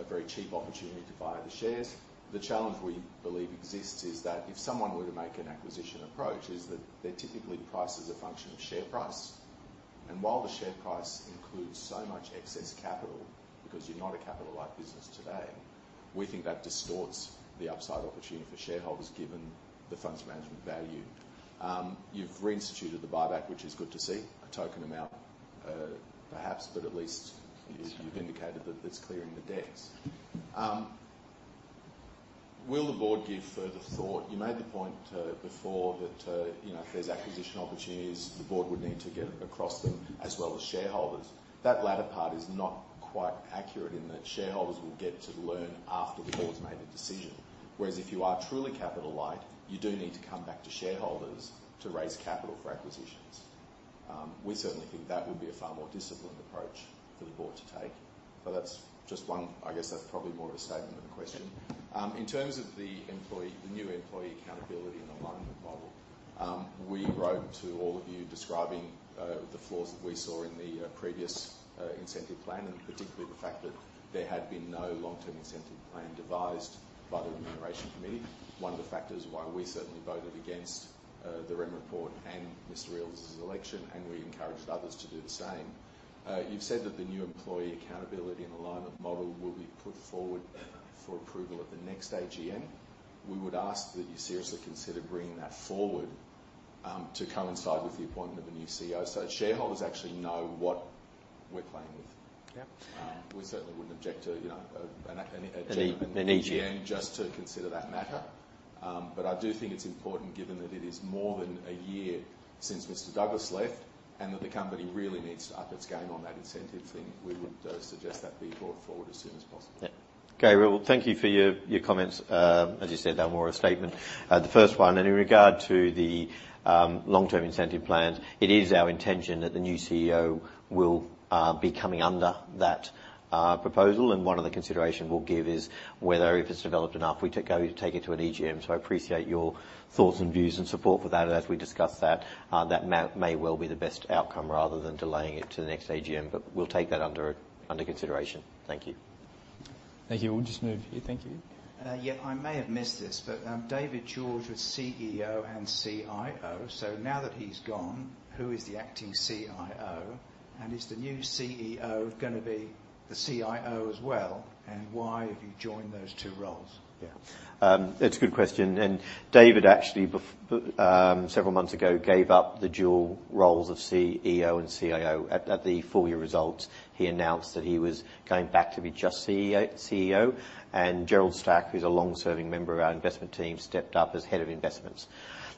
a very cheap opportunity to buy the shares. The challenge we believe exists is that if someone were to make an acquisition approach, is that they're typically priced as a function of share price. And while the share price includes so much excess capital, because you're not a capital light business today, we think that distorts the upside opportunity for shareholders, given the funds management value. You've reinstituted the buyback, which is good to see, a token amount, perhaps, but at least you, you've indicated that it's clearing the decks. Will the board give further thought... You made the point, before that, you know, if there's acquisition opportunities, the board would need to get across them as well as shareholders. That latter part is not quite accurate in that shareholders will get to learn after the board's made a decision. Whereas if you are truly capital light, you do need to come back to shareholders to raise capital for acquisitions. We certainly think that would be a far more disciplined approach for the board to take, but that's just one—I guess that's probably more of a statement than a question. In terms of the employee, the new Employee Accountability and Alignment Model, we wrote to all of you describing the flaws that we saw in the previous incentive plan, and particularly the fact that there had been no long-term incentive plan devised by the Remuneration Committee. One of the factors why we certainly voted against the Remuneration Report and Mr. Eales's election, and we encouraged others to do the same. You've said that the new Employee Accountability and Alignment Model will be put forward for approval at the next AGM. We would ask that you seriously consider bringing that forward, to coincide with the appointment of a new CEO, so that shareholders actually know what we're playing with. Yeah. We certainly wouldn't object to, you know, an- An EGM. AGM, just to consider that matter. But I do think it's important, given that it is more than a year since Mr. Douglass left, and that the company really needs to up its game on that incentive thing. We would suggest that be brought forward as soon as possible. Yeah. Gabriel, thank you for your comments. As you said, they're more a statement. The first one, and in regard to the long-term incentive plan, it is our intention that the new CEO will be coming under that proposal, and one of the consideration we'll give is whether, if it's developed enough, we take it to an EGM. So I appreciate your thoughts and views and support for that. And as we discuss that, that may well be the best outcome rather than delaying it to the next AGM, but we'll take that under consideration. Thank you. Thank you. We'll just move here. Thank you. Yeah, I may have missed this, but David George was CEO and CIO. Now that he's gone, who is the acting CIO, and is the new CEO gonna be the CIO as well? Why have you joined those two roles? Yeah. It's a good question, and David actually, before several months ago, gave up the dual roles of CEO and CIO. At the full year results, he announced that he was going back to be just CEO, CEO, and Gerald Stack, who's a long-serving member of our investment team, stepped up as head of investments.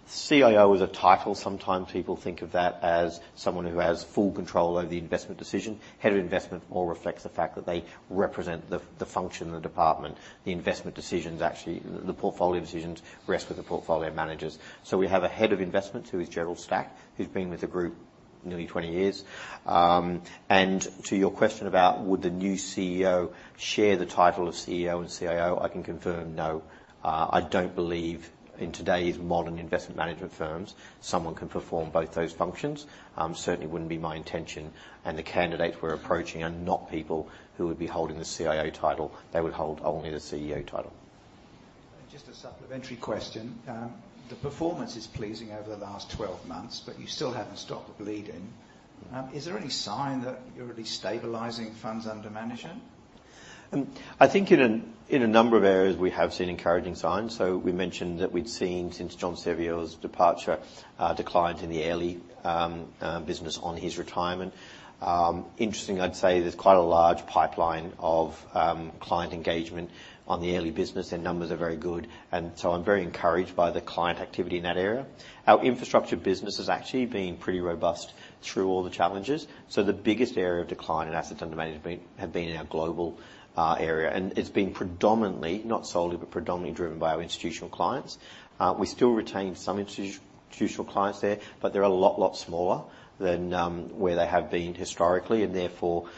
CIO is a title. Sometimes people think of that as someone who has full control over the investment decision. Head of investment more reflects the fact that they represent the function of the department. The investment decisions, actually, the portfolio decisions, rest with the portfolio managers. So we have a head of investment, who is Gerald Stack, who's been with the group nearly 20 years. And to your question about would the new CEO share the title of CEO and CIO? I can confirm, no. I don't believe in today's modern investment management firms, someone can perform both those functions. Certainly wouldn't be my intention, and the candidates we're approaching are not people who would be holding the CIO title. They would hold only the CEO title. Just a supplementary question. The performance is pleasing over the last 12 months, but you still haven't stopped the bleeding. Is there any sign that you're really stabilizing funds under management? I think in a number of areas, we have seen encouraging signs. So we mentioned that we'd seen, since John Sevior's departure, a decline in the Airlie business on his retirement. Interesting, I'd say there's quite a large pipeline of client engagement on the Airlie business, and numbers are very good, and so I'm very encouraged by the client activity in that area. Our infrastructure business has actually been pretty robust through all the challenges. So the biggest area of decline in assets under management have been in our global area, and it's been predominantly, not solely, but predominantly driven by our institutional clients. We still retain some institutional clients there, but they're a lot smaller than where they have been historically, and therefore,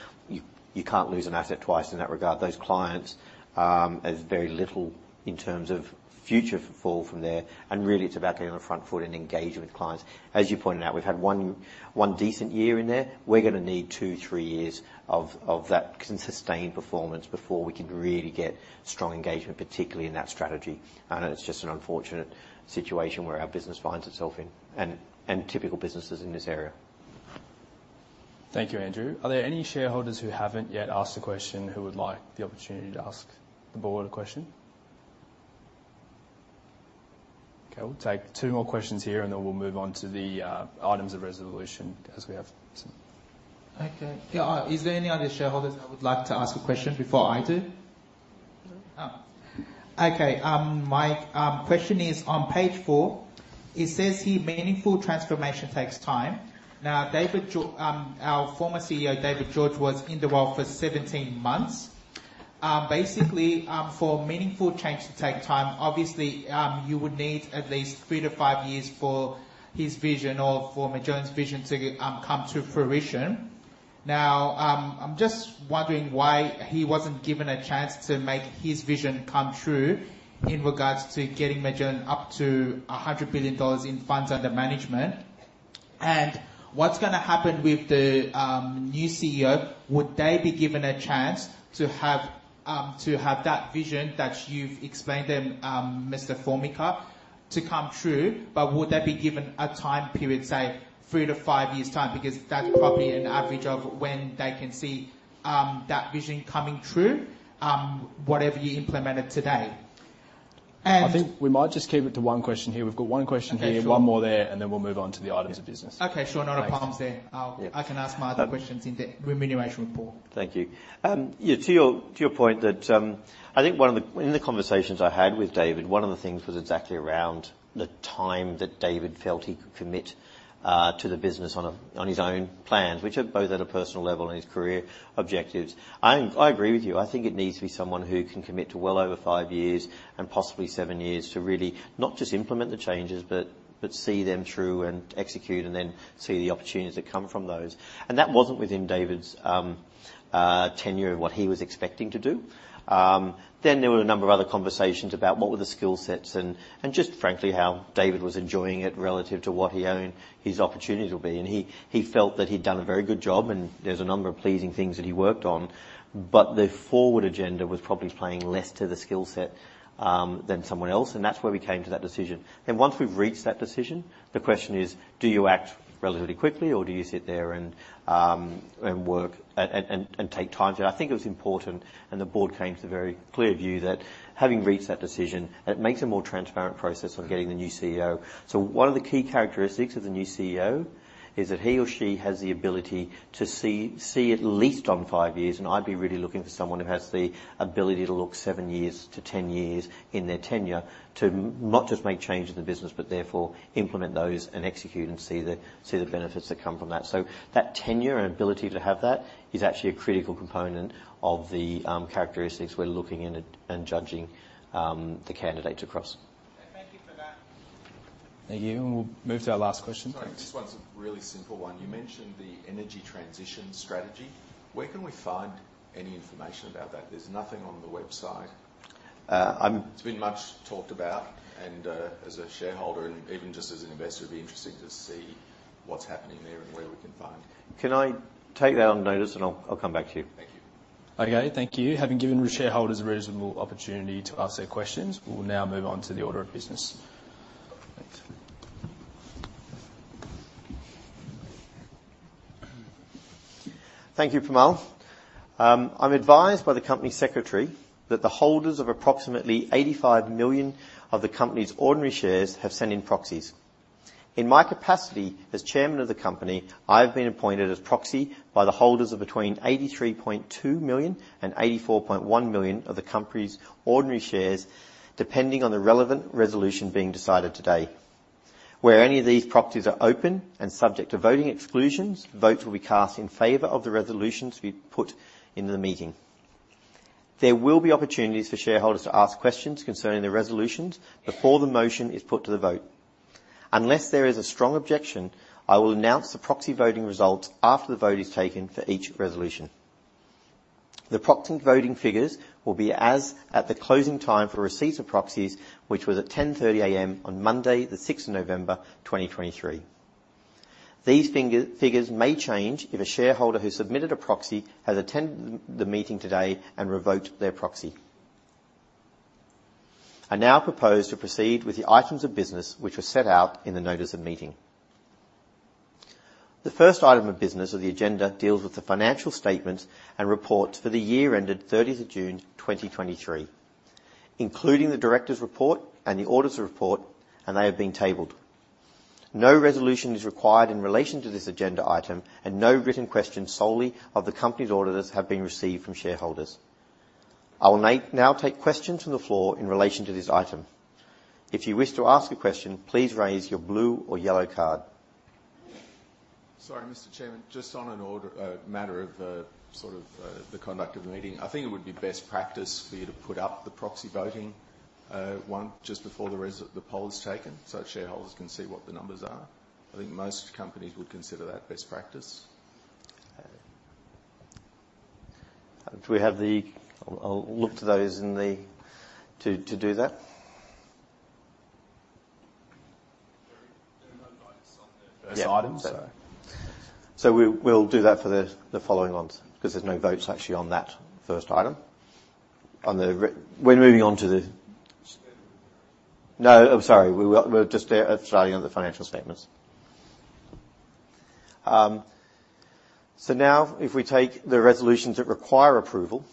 you can't lose an asset twice in that regard. Those clients, there's very little in terms of future fall from there, and really, it's about being on the front foot and engaging with clients. As you pointed out, we've had one, one decent year in there. We're gonna need two, three years of that consistent performance before we can really get strong engagement, particularly in that strategy. And it's just an unfortunate situation where our business finds itself in, and typical businesses in this area. Thank you, Andrew. Are there any shareholders who haven't yet asked a question, who would like the opportunity to ask the board a question? Okay, we'll take two more questions here, and then we'll move on to the, items of resolution as we have some. Okay. Is there any other shareholders that would like to ask a question before I do? Oh, okay. My question is, on page four, it says here, "Meaningful transformation takes time." Now, David, our former CEO, David George, was in the role for 17 months. Basically, for meaningful change to take time, obviously, you would need at least three to five years for his vision or for Magellan's vision to come to fruition. Now, I'm just wondering why he wasn't given a chance to make his vision come true in regards to getting Magellan up to 100 billion dollars in funds under management. And what's gonna happen with the new CEO? Would they be given a chance to have that vision that you've explained to them, Mr. Formica, to come true, but would they be given a time period, say, three to five years' time? Because that's probably an average of when they can see, that vision coming true, whatever you implemented today. I think we might just keep it to one question here. We've got one question here- Okay, sure. One more there, and then we'll move on to the items of business. Okay, sure. Not a problem there. Yeah. I can ask my other questions in the Remuneration Report. Thank you. Yeah, to your, to your point that, I think one of the... In the conversations I had with David, one of the things was exactly around the time that David felt he could commit to the business on his own plans, which are both at a personal level and his career objectives. I agree with you. I think it needs to be someone who can commit to well over five years and possibly seven years to really not just implement the changes, but see them through and execute and then see the opportunities that come from those. And that wasn't within David's tenure of what he was expecting to do. Then there were a number of other conversations about what were the skill sets and just frankly, how David was enjoying it relative to what he owned, his opportunities will be. And he felt that he'd done a very good job, and there's a number of pleasing things that he worked on, but the forward agenda was probably playing less to the skill set than someone else, and that's where we came to that decision. And once we've reached that decision, the question is: Do you act relatively quickly, or do you sit there and work and take time? I think it was important, and the board came to a very clear view that having reached that decision, it makes a more transparent process of getting the new CEO. So one of the key characteristics of the new CEO is that he or she has the ability to see at least on five years, and I'd be really looking for someone who has the ability to look seven years to 10 years in their tenure, to not just make changes in the business, but therefore implement those and execute and see the benefits that come from that. So that tenure and ability to have that is actually a critical component of the characteristics we're looking in and judging the candidates across. Thank you for that. Thank you. We'll move to our last question. Sorry, this one's a really simple one. You mentioned the Energy Transition Strategy. Where can we find any information about that? There's nothing on the website. Uh, I'm- It's been much talked about, and, as a shareholder and even just as an investor, it'd be interesting to see what's happening there and where we can find. Can I take that on notice, and I'll come back to you. Thank you. Okay, thank you. Having given our shareholders a reasonable opportunity to ask their questions, we will now move on to the order of business. Thank you, Primal. I'm advised by the company secretary that the holders of approximately 85 million of the company's ordinary shares have sent in proxies. In my capacity as Chairman of the company, I've been appointed as proxy by the holders of between 83.2 million and 84.1 million of the company's ordinary shares, depending on the relevant resolution being decided today. Where any of these proxies are open and subject to voting exclusions, votes will be cast in favor of the resolutions we put in the meeting. There will be opportunities for shareholders to ask questions concerning the resolutions before the motion is put to the vote. Unless there is a strong objection, I will announce the proxy voting results after the vote is taken for each resolution. The proxy voting figures will be as at the closing time for receipts of proxies, which was at 10:30 A.M. on Monday, the 6th of November, 2023. These figures may change if a shareholder who submitted a proxy has attended the meeting today and revoked their proxy. I now propose to proceed with the items of business, which were set out in the notice of meeting. The first item of business on the agenda deals with the financial statements and reports for the year ended 30th of June, 2023, including the Directors' Report and the Auditor's Report, and they have been tabled. No resolution is required in relation to this agenda item, and no written questions solely of the company's auditors have been received from shareholders. I will now take questions from the floor in relation to this item. If you wish to ask a question, please raise your blue or yellow card. Sorry, Mr. Chairman, just on an order, matter of sort of the conduct of the meeting. I think it would be best practice for you to put up the proxy voting one just before the poll is taken, so shareholders can see what the numbers are. I think most companies would consider that best practice. Do we have the... I'll look to those in the-- to do that? There are no votes on the first item, so- So we'll do that for the following ones, because there's no votes actually on that first item. We're moving on to. No, I'm sorry. We were, we're just starting on the financial statements. So now if we take the resolutions that require approval,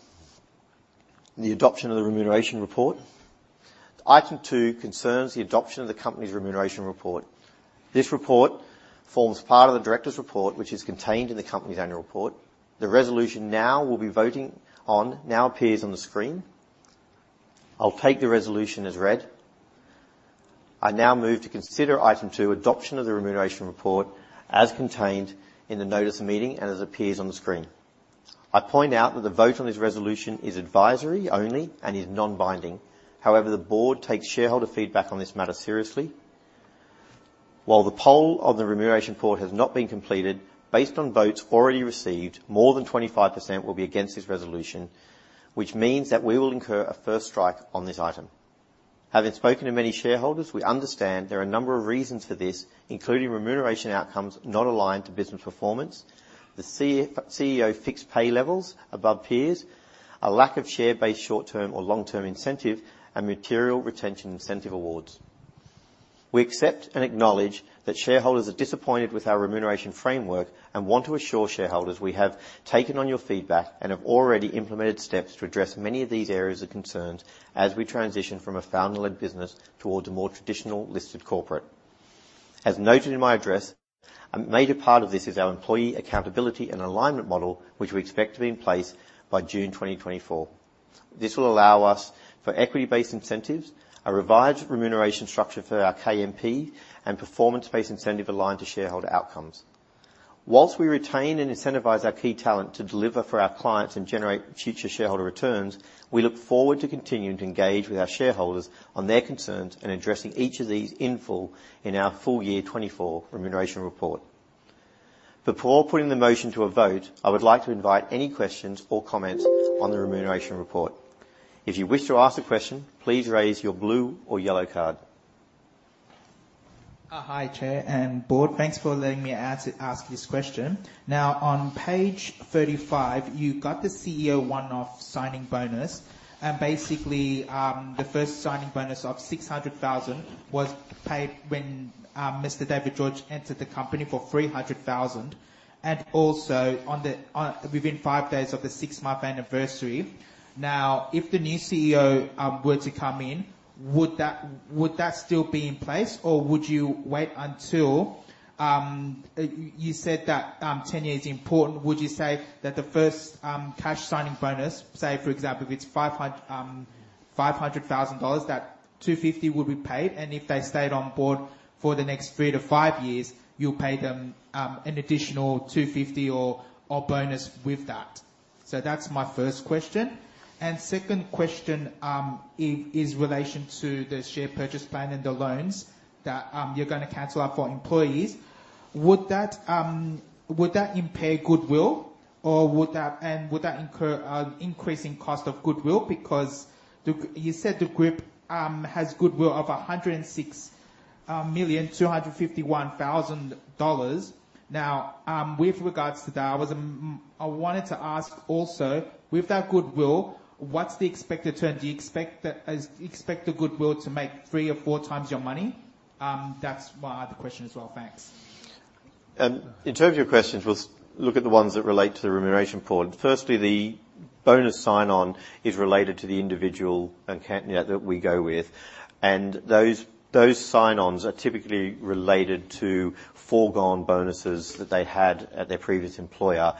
the adoption of the Remuneration Report. Item two concerns the adoption of the company's Remuneration Report. This report forms part of the Directors' Report, which is contained in the company's annual report. The resolution now will be voting on, now appears on the screen. I'll take the resolution as read. I now move to consider item two, adoption of the Remuneration Report, as contained in the notice of meeting and as appears on the screen. I point out that the vote on this resolution is advisory only and is non-binding. However, the board takes shareholder feedback on this matter seriously. While the poll on the Remuneration Report has not been completed, based on votes already received, more than 25% will be against this resolution, which means that we will incur a first strike on this item. Having spoken to many shareholders, we understand there are a number of reasons for this, including remuneration outcomes not aligned to business performance, the CEO fixed pay levels above peers, a lack of share-based short-term or long-term incentive, and material retention incentive awards. We accept and acknowledge that shareholders are disappointed with our remuneration framework and want to assure shareholders we have taken on your feedback and have already implemented steps to address many of these areas of concerns as we transition from a founder-led business towards a more traditional listed corporate. As noted in my address, a major part of this is our Employee Accountability and Alignment Model, which we expect to be in place by June 2024. This will allow us for equity-based incentives, a revised remuneration structure for our KMP, and performance-based incentive aligned to shareholder outcomes. Whilst we retain and incentivize our key talent to deliver for our clients and generate future shareholder returns, we look forward to continuing to engage with our shareholders on their concerns and addressing each of these in full in our full year 2024 Remuneration Report. Before putting the motion to a vote, I would like to invite any questions or comments on the Remuneration Report. If you wish to ask a question, please raise your blue or yellow card. Hi, Chair and Board. Thanks for letting me ask this question. Now, on page 35, you've got the CEO one-off signing bonus, and basically, the first signing bonus of 600,000 was paid when Mr. David George entered the company for 300,000, and also on the within five days of the six-month anniversary. Now, if the new CEO were to come in, would that still be in place, or would you wait until... You said that tenure is important. Would you say that the first cash signing bonus, say, for example, if it's 500,000 dollars, that 250,000 would be paid, and if they stayed on board for the next 3-5 years, you'll pay them an additional 250,000 or bonus with that? That's my first question. Second question is in relation to the share purchase plan and the loans that you're gonna cancel out for employees. Would that impair goodwill, or would that... And would that incur an increasing cost of goodwill? Because you said the group has goodwill of 106.251 million. Now, with regards to that, I wanted to ask also, with that goodwill, what's the expected return? Do you expect the goodwill to make three or four times your money? That's my other question as well. Thanks. In terms of your questions, we'll look at the ones that relate to the remuneration point. Firstly, the bonus sign-on is related to the individual account, yeah, that we go with. And those sign-ons are typically related to foregone bonuses that they had at their previous employer,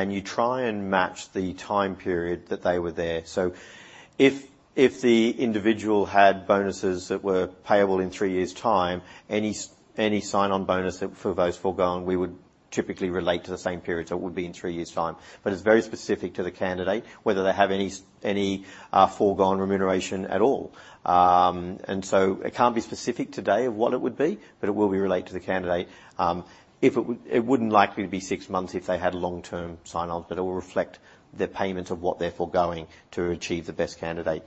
and you try and match the time period that they were there. If the individual had bonuses that were payable in three years' time, any sign-on bonus that for those foregone, we would typically relate to the same period, so it would be in three years' time. But it's very specific to the candidate, whether they have any foregone remuneration at all. And so it can't be specific today of what it would be, but it will be related to the candidate. If it w... It wouldn't likely be six months if they had a long-term sign-on, but it will reflect the payment of what they're foregoing to achieve the best candidate.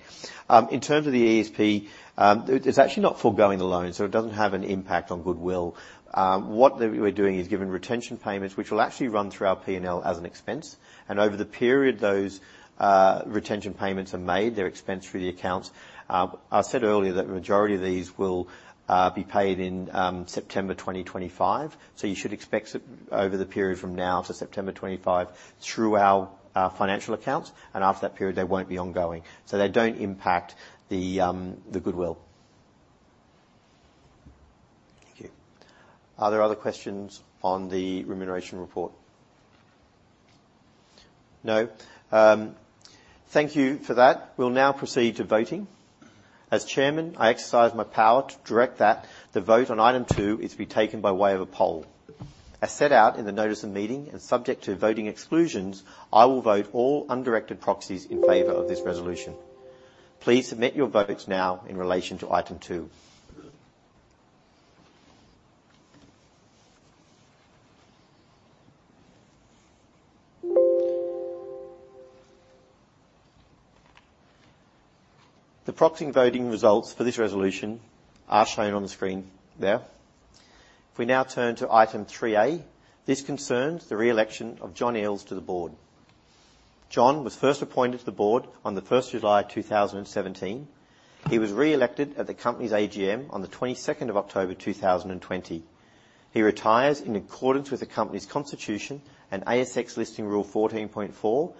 In terms of the ESP, it's actually not foregoing the loan, so it doesn't have an impact on goodwill. What they're doing is giving retention payments, which will actually run through our P&L as an expense, and over the period those retention payments are made, they're expensed through the accounts. I said earlier that the majority of these will be paid in September 2025, so you should expect over the period from now to September 2025 through our financial accounts, and after that period, they won't be ongoing. So they don't impact the goodwill. Thank you. Are there other questions on the Remuneration Report? No. Thank you for that. We'll now proceed to voting. As chairman, I exercise my power to direct that the vote on item 2 is to be taken by way of a poll. As set out in the notice of the meeting and subject to voting exclusions, I will vote all undirected proxies in favor of this resolution. Please submit your votes now in relation to item 2. The proxy voting results for this resolution are shown on the screen there. If we now turn to item 3A, this concerns the re-election of John Eales to the board. John was first appointed to the board on the first of July, 2017. He was re-elected at the company's AGM on the 22nd of October, 2020. He retires in accordance with the Company's constitution and ASX Listing Rule 14.4,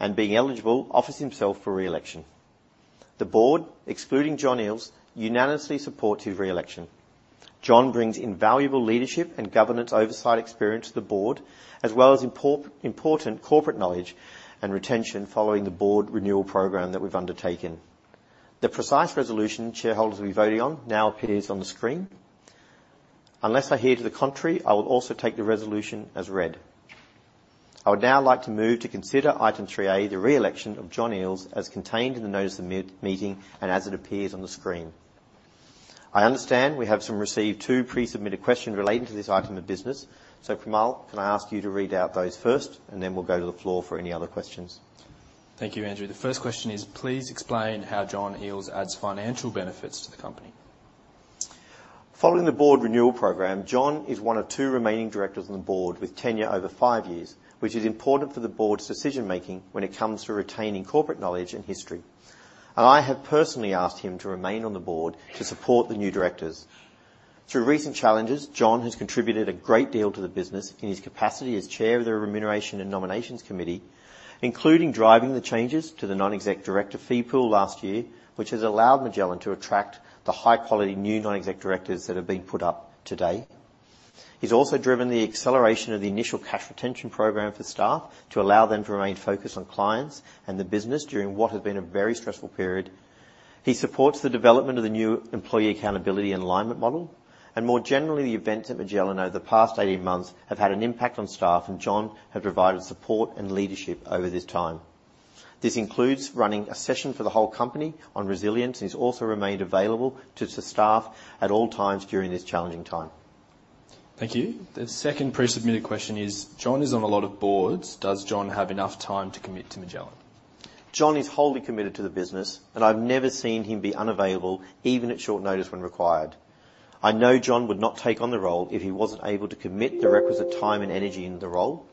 and being eligible, offers himself for re-election. The board, excluding John Eales, unanimously support his re-election. John brings invaluable leadership and governance oversight experience to the board, as well as important corporate knowledge and retention following the board renewal program that we've undertaken. The precise resolution shareholders will be voting on now appears on the screen. Unless I hear to the contrary, I will also take the resolution as read. I would now like to move to consider Item 3A, the re-election of John Eales, as contained in the notice of the meeting and as it appears on the screen. I understand we have received two pre-submitted questions relating to this item of business. So, Primal, can I ask you to read out those first, and then we'll go to the floor for any other questions? Thank you, Andrew. The first question is: Please explain how John Eales adds financial benefits to the company. Following the board renewal program, John is one of two remaining directors on the board with tenure over five years, which is important for the board's decision-making when it comes to retaining corporate knowledge and history. I have personally asked him to remain on the board to support the new directors. Through recent challenges, John has contributed a great deal to the business in his capacity as Chair of the Remuneration and Nominations Committee, including driving the changes to the non-exec director fee pool last year, which has allowed Magellan to attract the high-quality new non-exec directors that have been put up today. He's also driven the acceleration of the initial cash retention program for staff to allow them to remain focused on clients and the business during what has been a very stressful period. He supports the development of the new Employee Accountability and Alignment Model, and more generally, the events at Magellan over the past 18 months have had an impact on staff, and John has provided support and leadership over this time. This includes running a session for the whole company on resilience, and he's also remained available to the staff at all times during this challenging time. Thank you. The second pre-submitted question is: John is on a lot of boards. Does John have enough time to commit to Magellan? John is wholly committed to the business, and I've never seen him be unavailable, even at short notice when required. I know John would not take on the role if he wasn't able to commit the requisite time and energy into the role,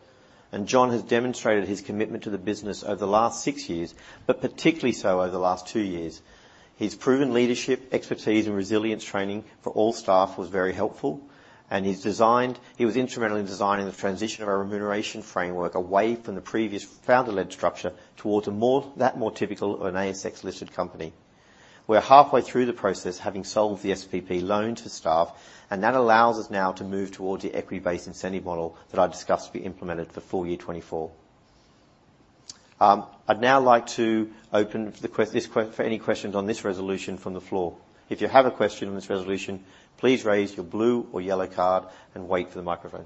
and John has demonstrated his commitment to the business over the last six years, but particularly so over the last two years. His proven leadership, expertise, and resilience training for all staff was very helpful, and he was instrumental in designing the transition of our remuneration framework away from the previous founder-led structure towards a more typical of an ASX-listed company. We're halfway through the process, having sold the SPP loan to staff, and that allows us now to move towards the equity-based incentive model that I discussed to be implemented for full year 2024. I'd now like to open for any questions on this resolution from the floor. If you have a question on this resolution, please raise your blue or yellow card and wait for the microphone.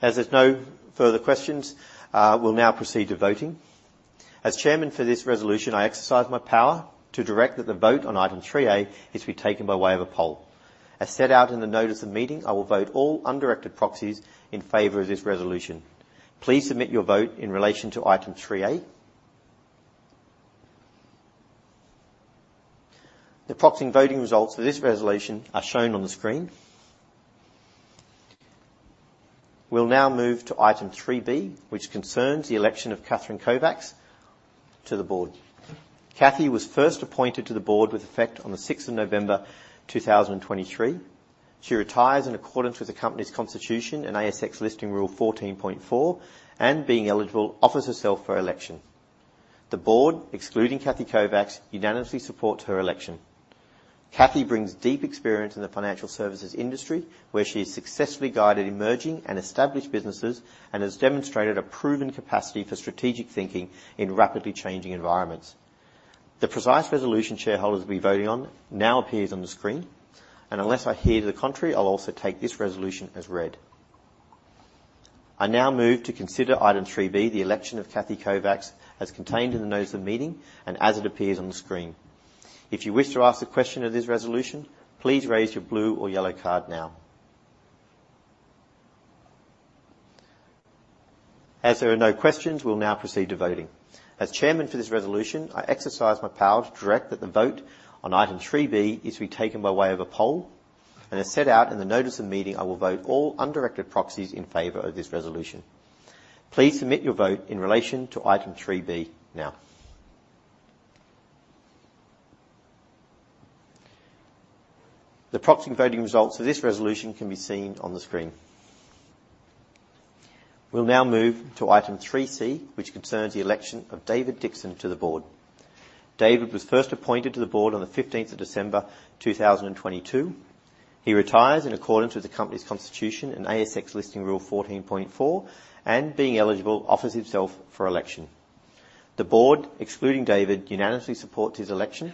As there's no further questions, we'll now proceed to voting. As chairman for this resolution, I exercise my power to direct that the vote on Item 3A is to be taken by way of a poll. As set out in the notice of the meeting, I will vote all undirected proxies in favor of this resolution. Please submit your vote in relation to Item 3A. The proxy and voting results for this resolution are shown on the screen. We'll now move to Item 3B, which concerns the election of Cathy Kovacs to the board. Cathy was first appointed to the board with effect on the sixth of November, 2023. She retires in accordance with the Company's constitution and ASX Listing Rule 14.4, and being eligible, offers herself for election. The board, excluding Cathy Kovacs, unanimously supports her election. Cathy brings deep experience in the financial services industry, where she has successfully guided emerging and established businesses and has demonstrated a proven capacity for strategic thinking in rapidly changing environments. The precise resolution shareholders will be voting on now appears on the screen, and unless I hear to the contrary, I'll also take this resolution as read. I now move to consider Item 3B, the election of Cathy Kovacs, as contained in the notice of meeting and as it appears on the screen. If you wish to ask a question of this resolution, please raise your blue or yellow card now. As there are no questions, we'll now proceed to voting. As chairman for this resolution, I exercise my power to direct that the vote on Item 3B is to be taken by way of a poll, and as set out in the notice of meeting, I will vote all undirected proxies in favor of this resolution. Please submit your vote in relation to Item 3B now. The proxy voting results for this resolution can be seen on the screen. We'll now move to Item 3C, which concerns the election of David Dixon to the board. David was first appointed to the board on the 15th of December 2022. He retires in accordance with the company's constitution and ASX Listing Rule 14.4, and being eligible, offers himself for election. The board, excluding David, unanimously supports his election.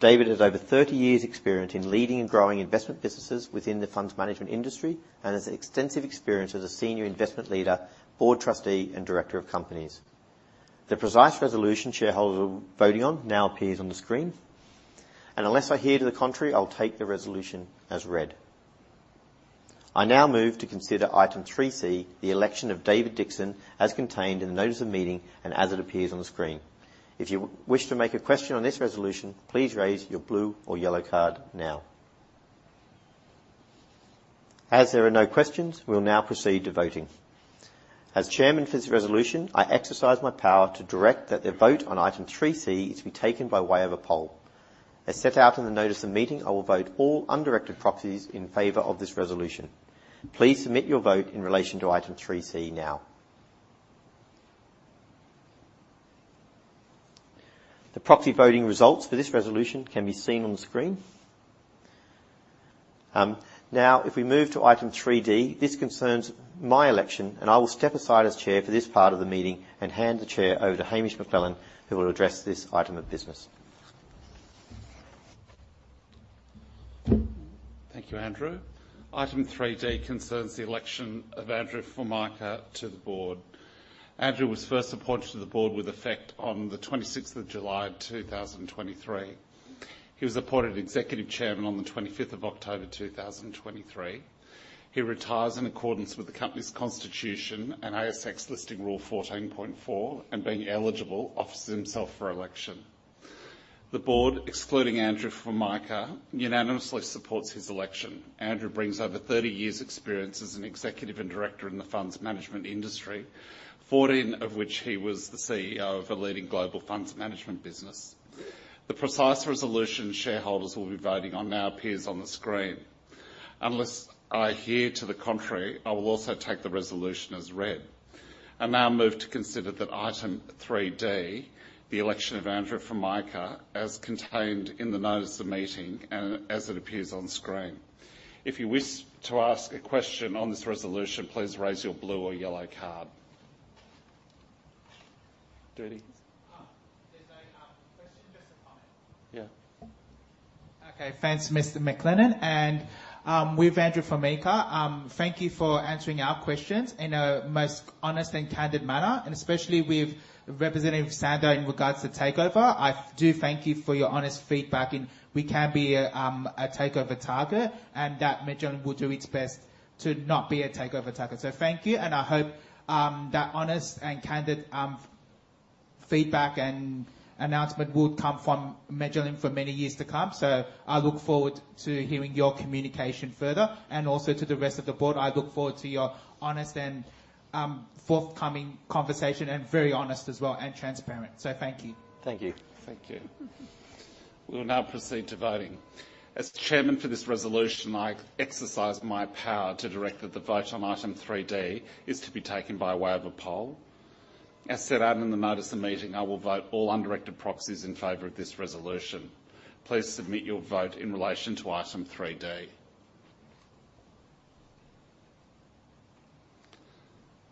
David has over 30 years' experience in leading and growing investment businesses within the funds management industry and has extensive experience as a senior investment leader, board trustee, and director of companies. The precise resolution shareholders will be voting on now appears on the screen, and unless I hear to the contrary, I'll take the resolution as read. I now move to consider Item 3C, the election of David Dixon, as contained in the notice of meeting and as it appears on the screen. If you wish to make a question on this resolution, please raise your blue or yellow card now. As there are no questions, we'll now proceed to voting. As chairman for this resolution, I exercise my power to direct that the vote on Item 3C is to be taken by way of a poll. As set out in the notice of meeting, I will vote all undirected proxies in favor of this resolution. Please submit your vote in relation to Item 3C now. The proxy voting results for this resolution can be seen on the screen. Now, if we move to Item 3D, this concerns my election, and I will step aside as chair for this part of the meeting and hand the chair over to Hamish McLennan, who will address this item of business. Thank you, Andrew. Item 3D concerns the election of Andrew Formica to the board. Andrew was first appointed to the board with effect on the 26th of July, 2023. He was appointed Executive Chairman on the 25th of October, 2023. He retires in accordance with the company's constitution and ASX Listing Rule 14.4, and being eligible, offers himself for election. The board, excluding Andrew Formica, unanimously supports his election. Andrew brings over 30 years' experience as an executive and director in the funds management industry, 14 of which he was the CEO of a leading global funds management business. The precise resolution shareholders will be voting on now appears on the screen. Unless I hear to the contrary, I will also take the resolution as read. I now move to consider that Item 3D, the election of Andrew Formica, as contained in the notice of the meeting and as it appears on screen. If you wish to ask a question on this resolution, please raise your blue or yellow card. Judy? There's no question, just a comment. Yeah. Okay. Thanks, Mr. McLennan, and, with Andrew Formica, thank you for answering our questions in a most honest and candid manner, and especially with representative Sandon in regards to takeover. I do thank you for your honest feedback, and we can be a, a takeover target and that Magellan will do its best to not be a takeover target. So thank you, and I hope, that honest and candid, feedback and announcement will come from Magellan for many years to come. So I look forward to hearing your communication further. And also to the rest of the board, I look forward to your honest and, forthcoming conversation, and very honest as well, and transparent. So thank you. Thank you. Thank you. We will now proceed to voting. As chairman for this resolution, I exercise my power to direct that the vote on Item 3D is to be taken by way of a poll. As set out in the notice of the meeting, I will vote all undirected proxies in favor of this resolution. Please submit your vote in relation to Item 3D.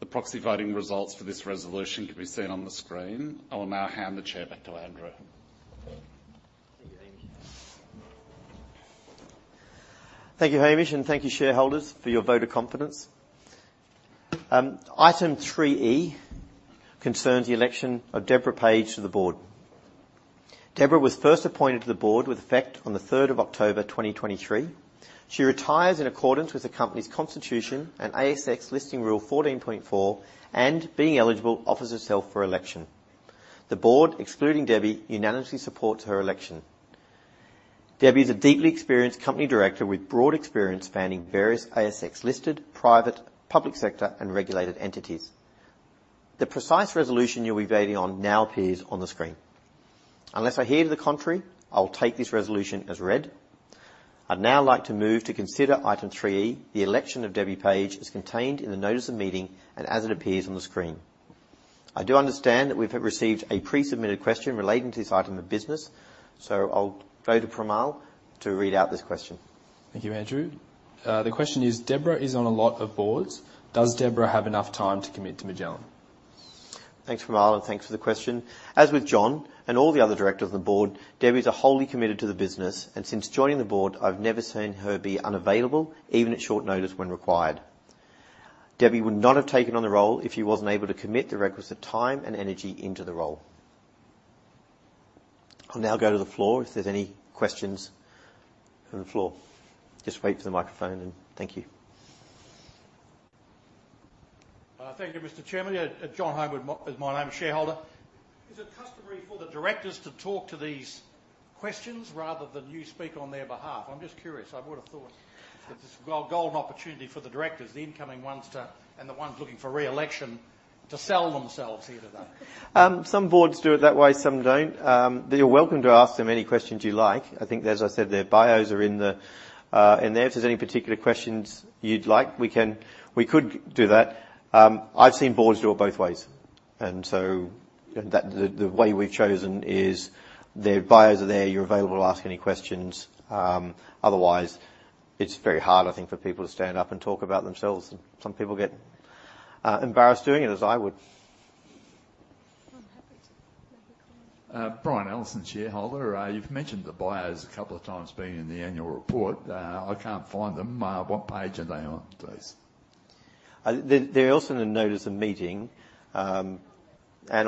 The proxy voting results for this resolution can be seen on the screen. I will now hand the chair back to Andrew. Thank you, Hamish. Thank you, Hamish, and thank you, shareholders, for your vote of confidence. Item 3E concerns the election of Deborah Page to the board. Deborah was first appointed to the board with effect on the third of October, 2023. She retires in accordance with the company's constitution and ASX Listing Rule 14.4, and being eligible, offers herself for election. The board, excluding Debbie, unanimously supports her election. Debbie is a deeply experienced company director with broad experience spanning various ASX-listed, private, public sector, and regulated entities. The precise resolution you'll be voting on now appears on the screen. Unless I hear to the contrary, I'll take this resolution as read. I'd now like to move to consider Item 3E, the election of Debbie Page, as contained in the notice of meeting and as it appears on the screen. I do understand that we've received a pre-submitted question relating to this item of business, so I'll go to Primal to read out this question. Thank you, Andrew. The question is: Deborah is on a lot of boards. Does Deborah have enough time to commit to Magellan? Thanks, Primal, and thanks for the question. As with John and all the other directors of the board, Debbie's are wholly committed to the business, and since joining the board, I've never seen her be unavailable, even at short notice when required. Debbie would not have taken on the role if she wasn't able to commit the requisite time and energy into the role. I'll now go to the floor if there's any questions on the floor. Just wait for the microphone, and thank you. Thank you, Mr. Chairman. John Homewood, my, is my name, shareholder. Is it customary for the directors to talk to these questions rather than you speak on their behalf? I'm just curious. I would have thought that this is a golden opportunity for the directors, the incoming ones, to... and the ones looking for re-election, to sell themselves here today. Some boards do it that way, some don't. You're welcome to ask them any questions you like. I think, as I said, their bios are in the, in there. If there's any particular questions you'd like, we can, we could do that. I've seen boards do it both ways, and so that the way we've chosen is their bios are there, you're available to ask any questions. Otherwise, it's very hard, I think, for people to stand up and talk about themselves, and some people get embarrassed doing it, as I would. I'm happy to make a comment. Brian Ellison, shareholder. You've mentioned the bios a couple of times being in the annual report. I can't find them. What page are they on, please? They're also in the notice of meeting and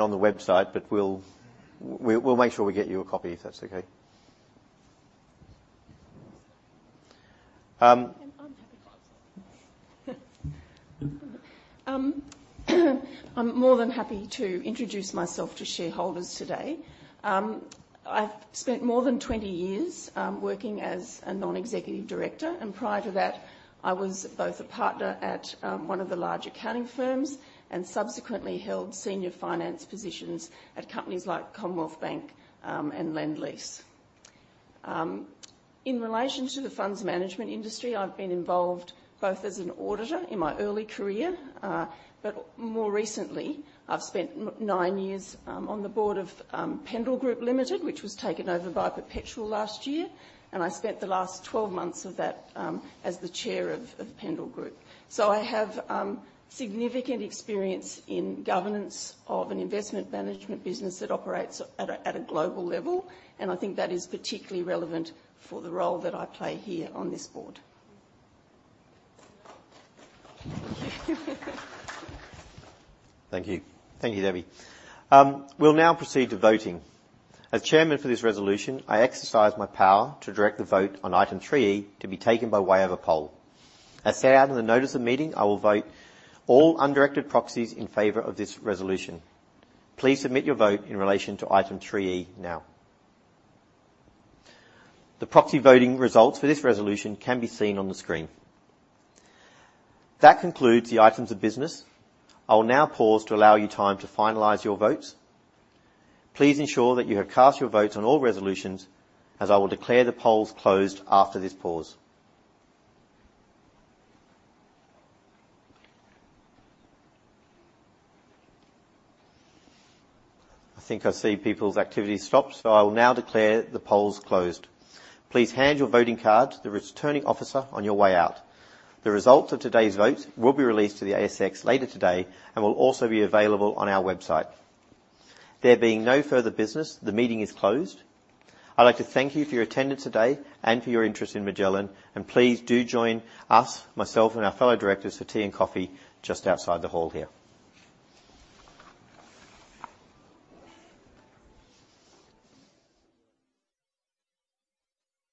on the website, but we'll make sure we get you a copy, if that's okay? I'm happy to answer. I'm more than happy to introduce myself to shareholders today. I've spent more than 20 years working as a non-executive director, and prior to that, I was both a partner at one of the large accounting firms and subsequently held senior finance positions at companies like Commonwealth Bank and Lendlease. In relation to the funds management industry, I've been involved both as an auditor in my early career, but more recently, I've spent 9 years on the board of Pendal Group Limited, which was taken over by Perpetual last year, and I spent the last 12 months of that as the chair of Pendal Group. I have significant experience in governance of an investment management business that operates at a global level, and I think that is particularly relevant for the role that I play here on this board. Thank you. Thank you, Debbie. We'll now proceed to voting. As Chairman for this resolution, I exercise my power to direct the vote on Item 3E to be taken by way of a poll. As set out in the notice of meeting, I will vote all undirected proxies in favor of this resolution. Please submit your vote in relation to Item 3E now. The proxy voting results for this resolution can be seen on the screen. That concludes the items of business. I will now pause to allow you time to finalize your votes. Please ensure that you have cast your votes on all resolutions, as I will declare the polls closed after this pause. I think I see people's activity stopped, so I will now declare the polls closed. Please hand your voting card to the Returning Officer on your way out. The result of today's vote will be released to the ASX later today and will also be available on our website. There being no further business, the meeting is closed. I'd like to thank you for your attendance today and for your interest in Magellan, and please do join us, myself and our fellow directors, for tea and coffee just outside the hall here.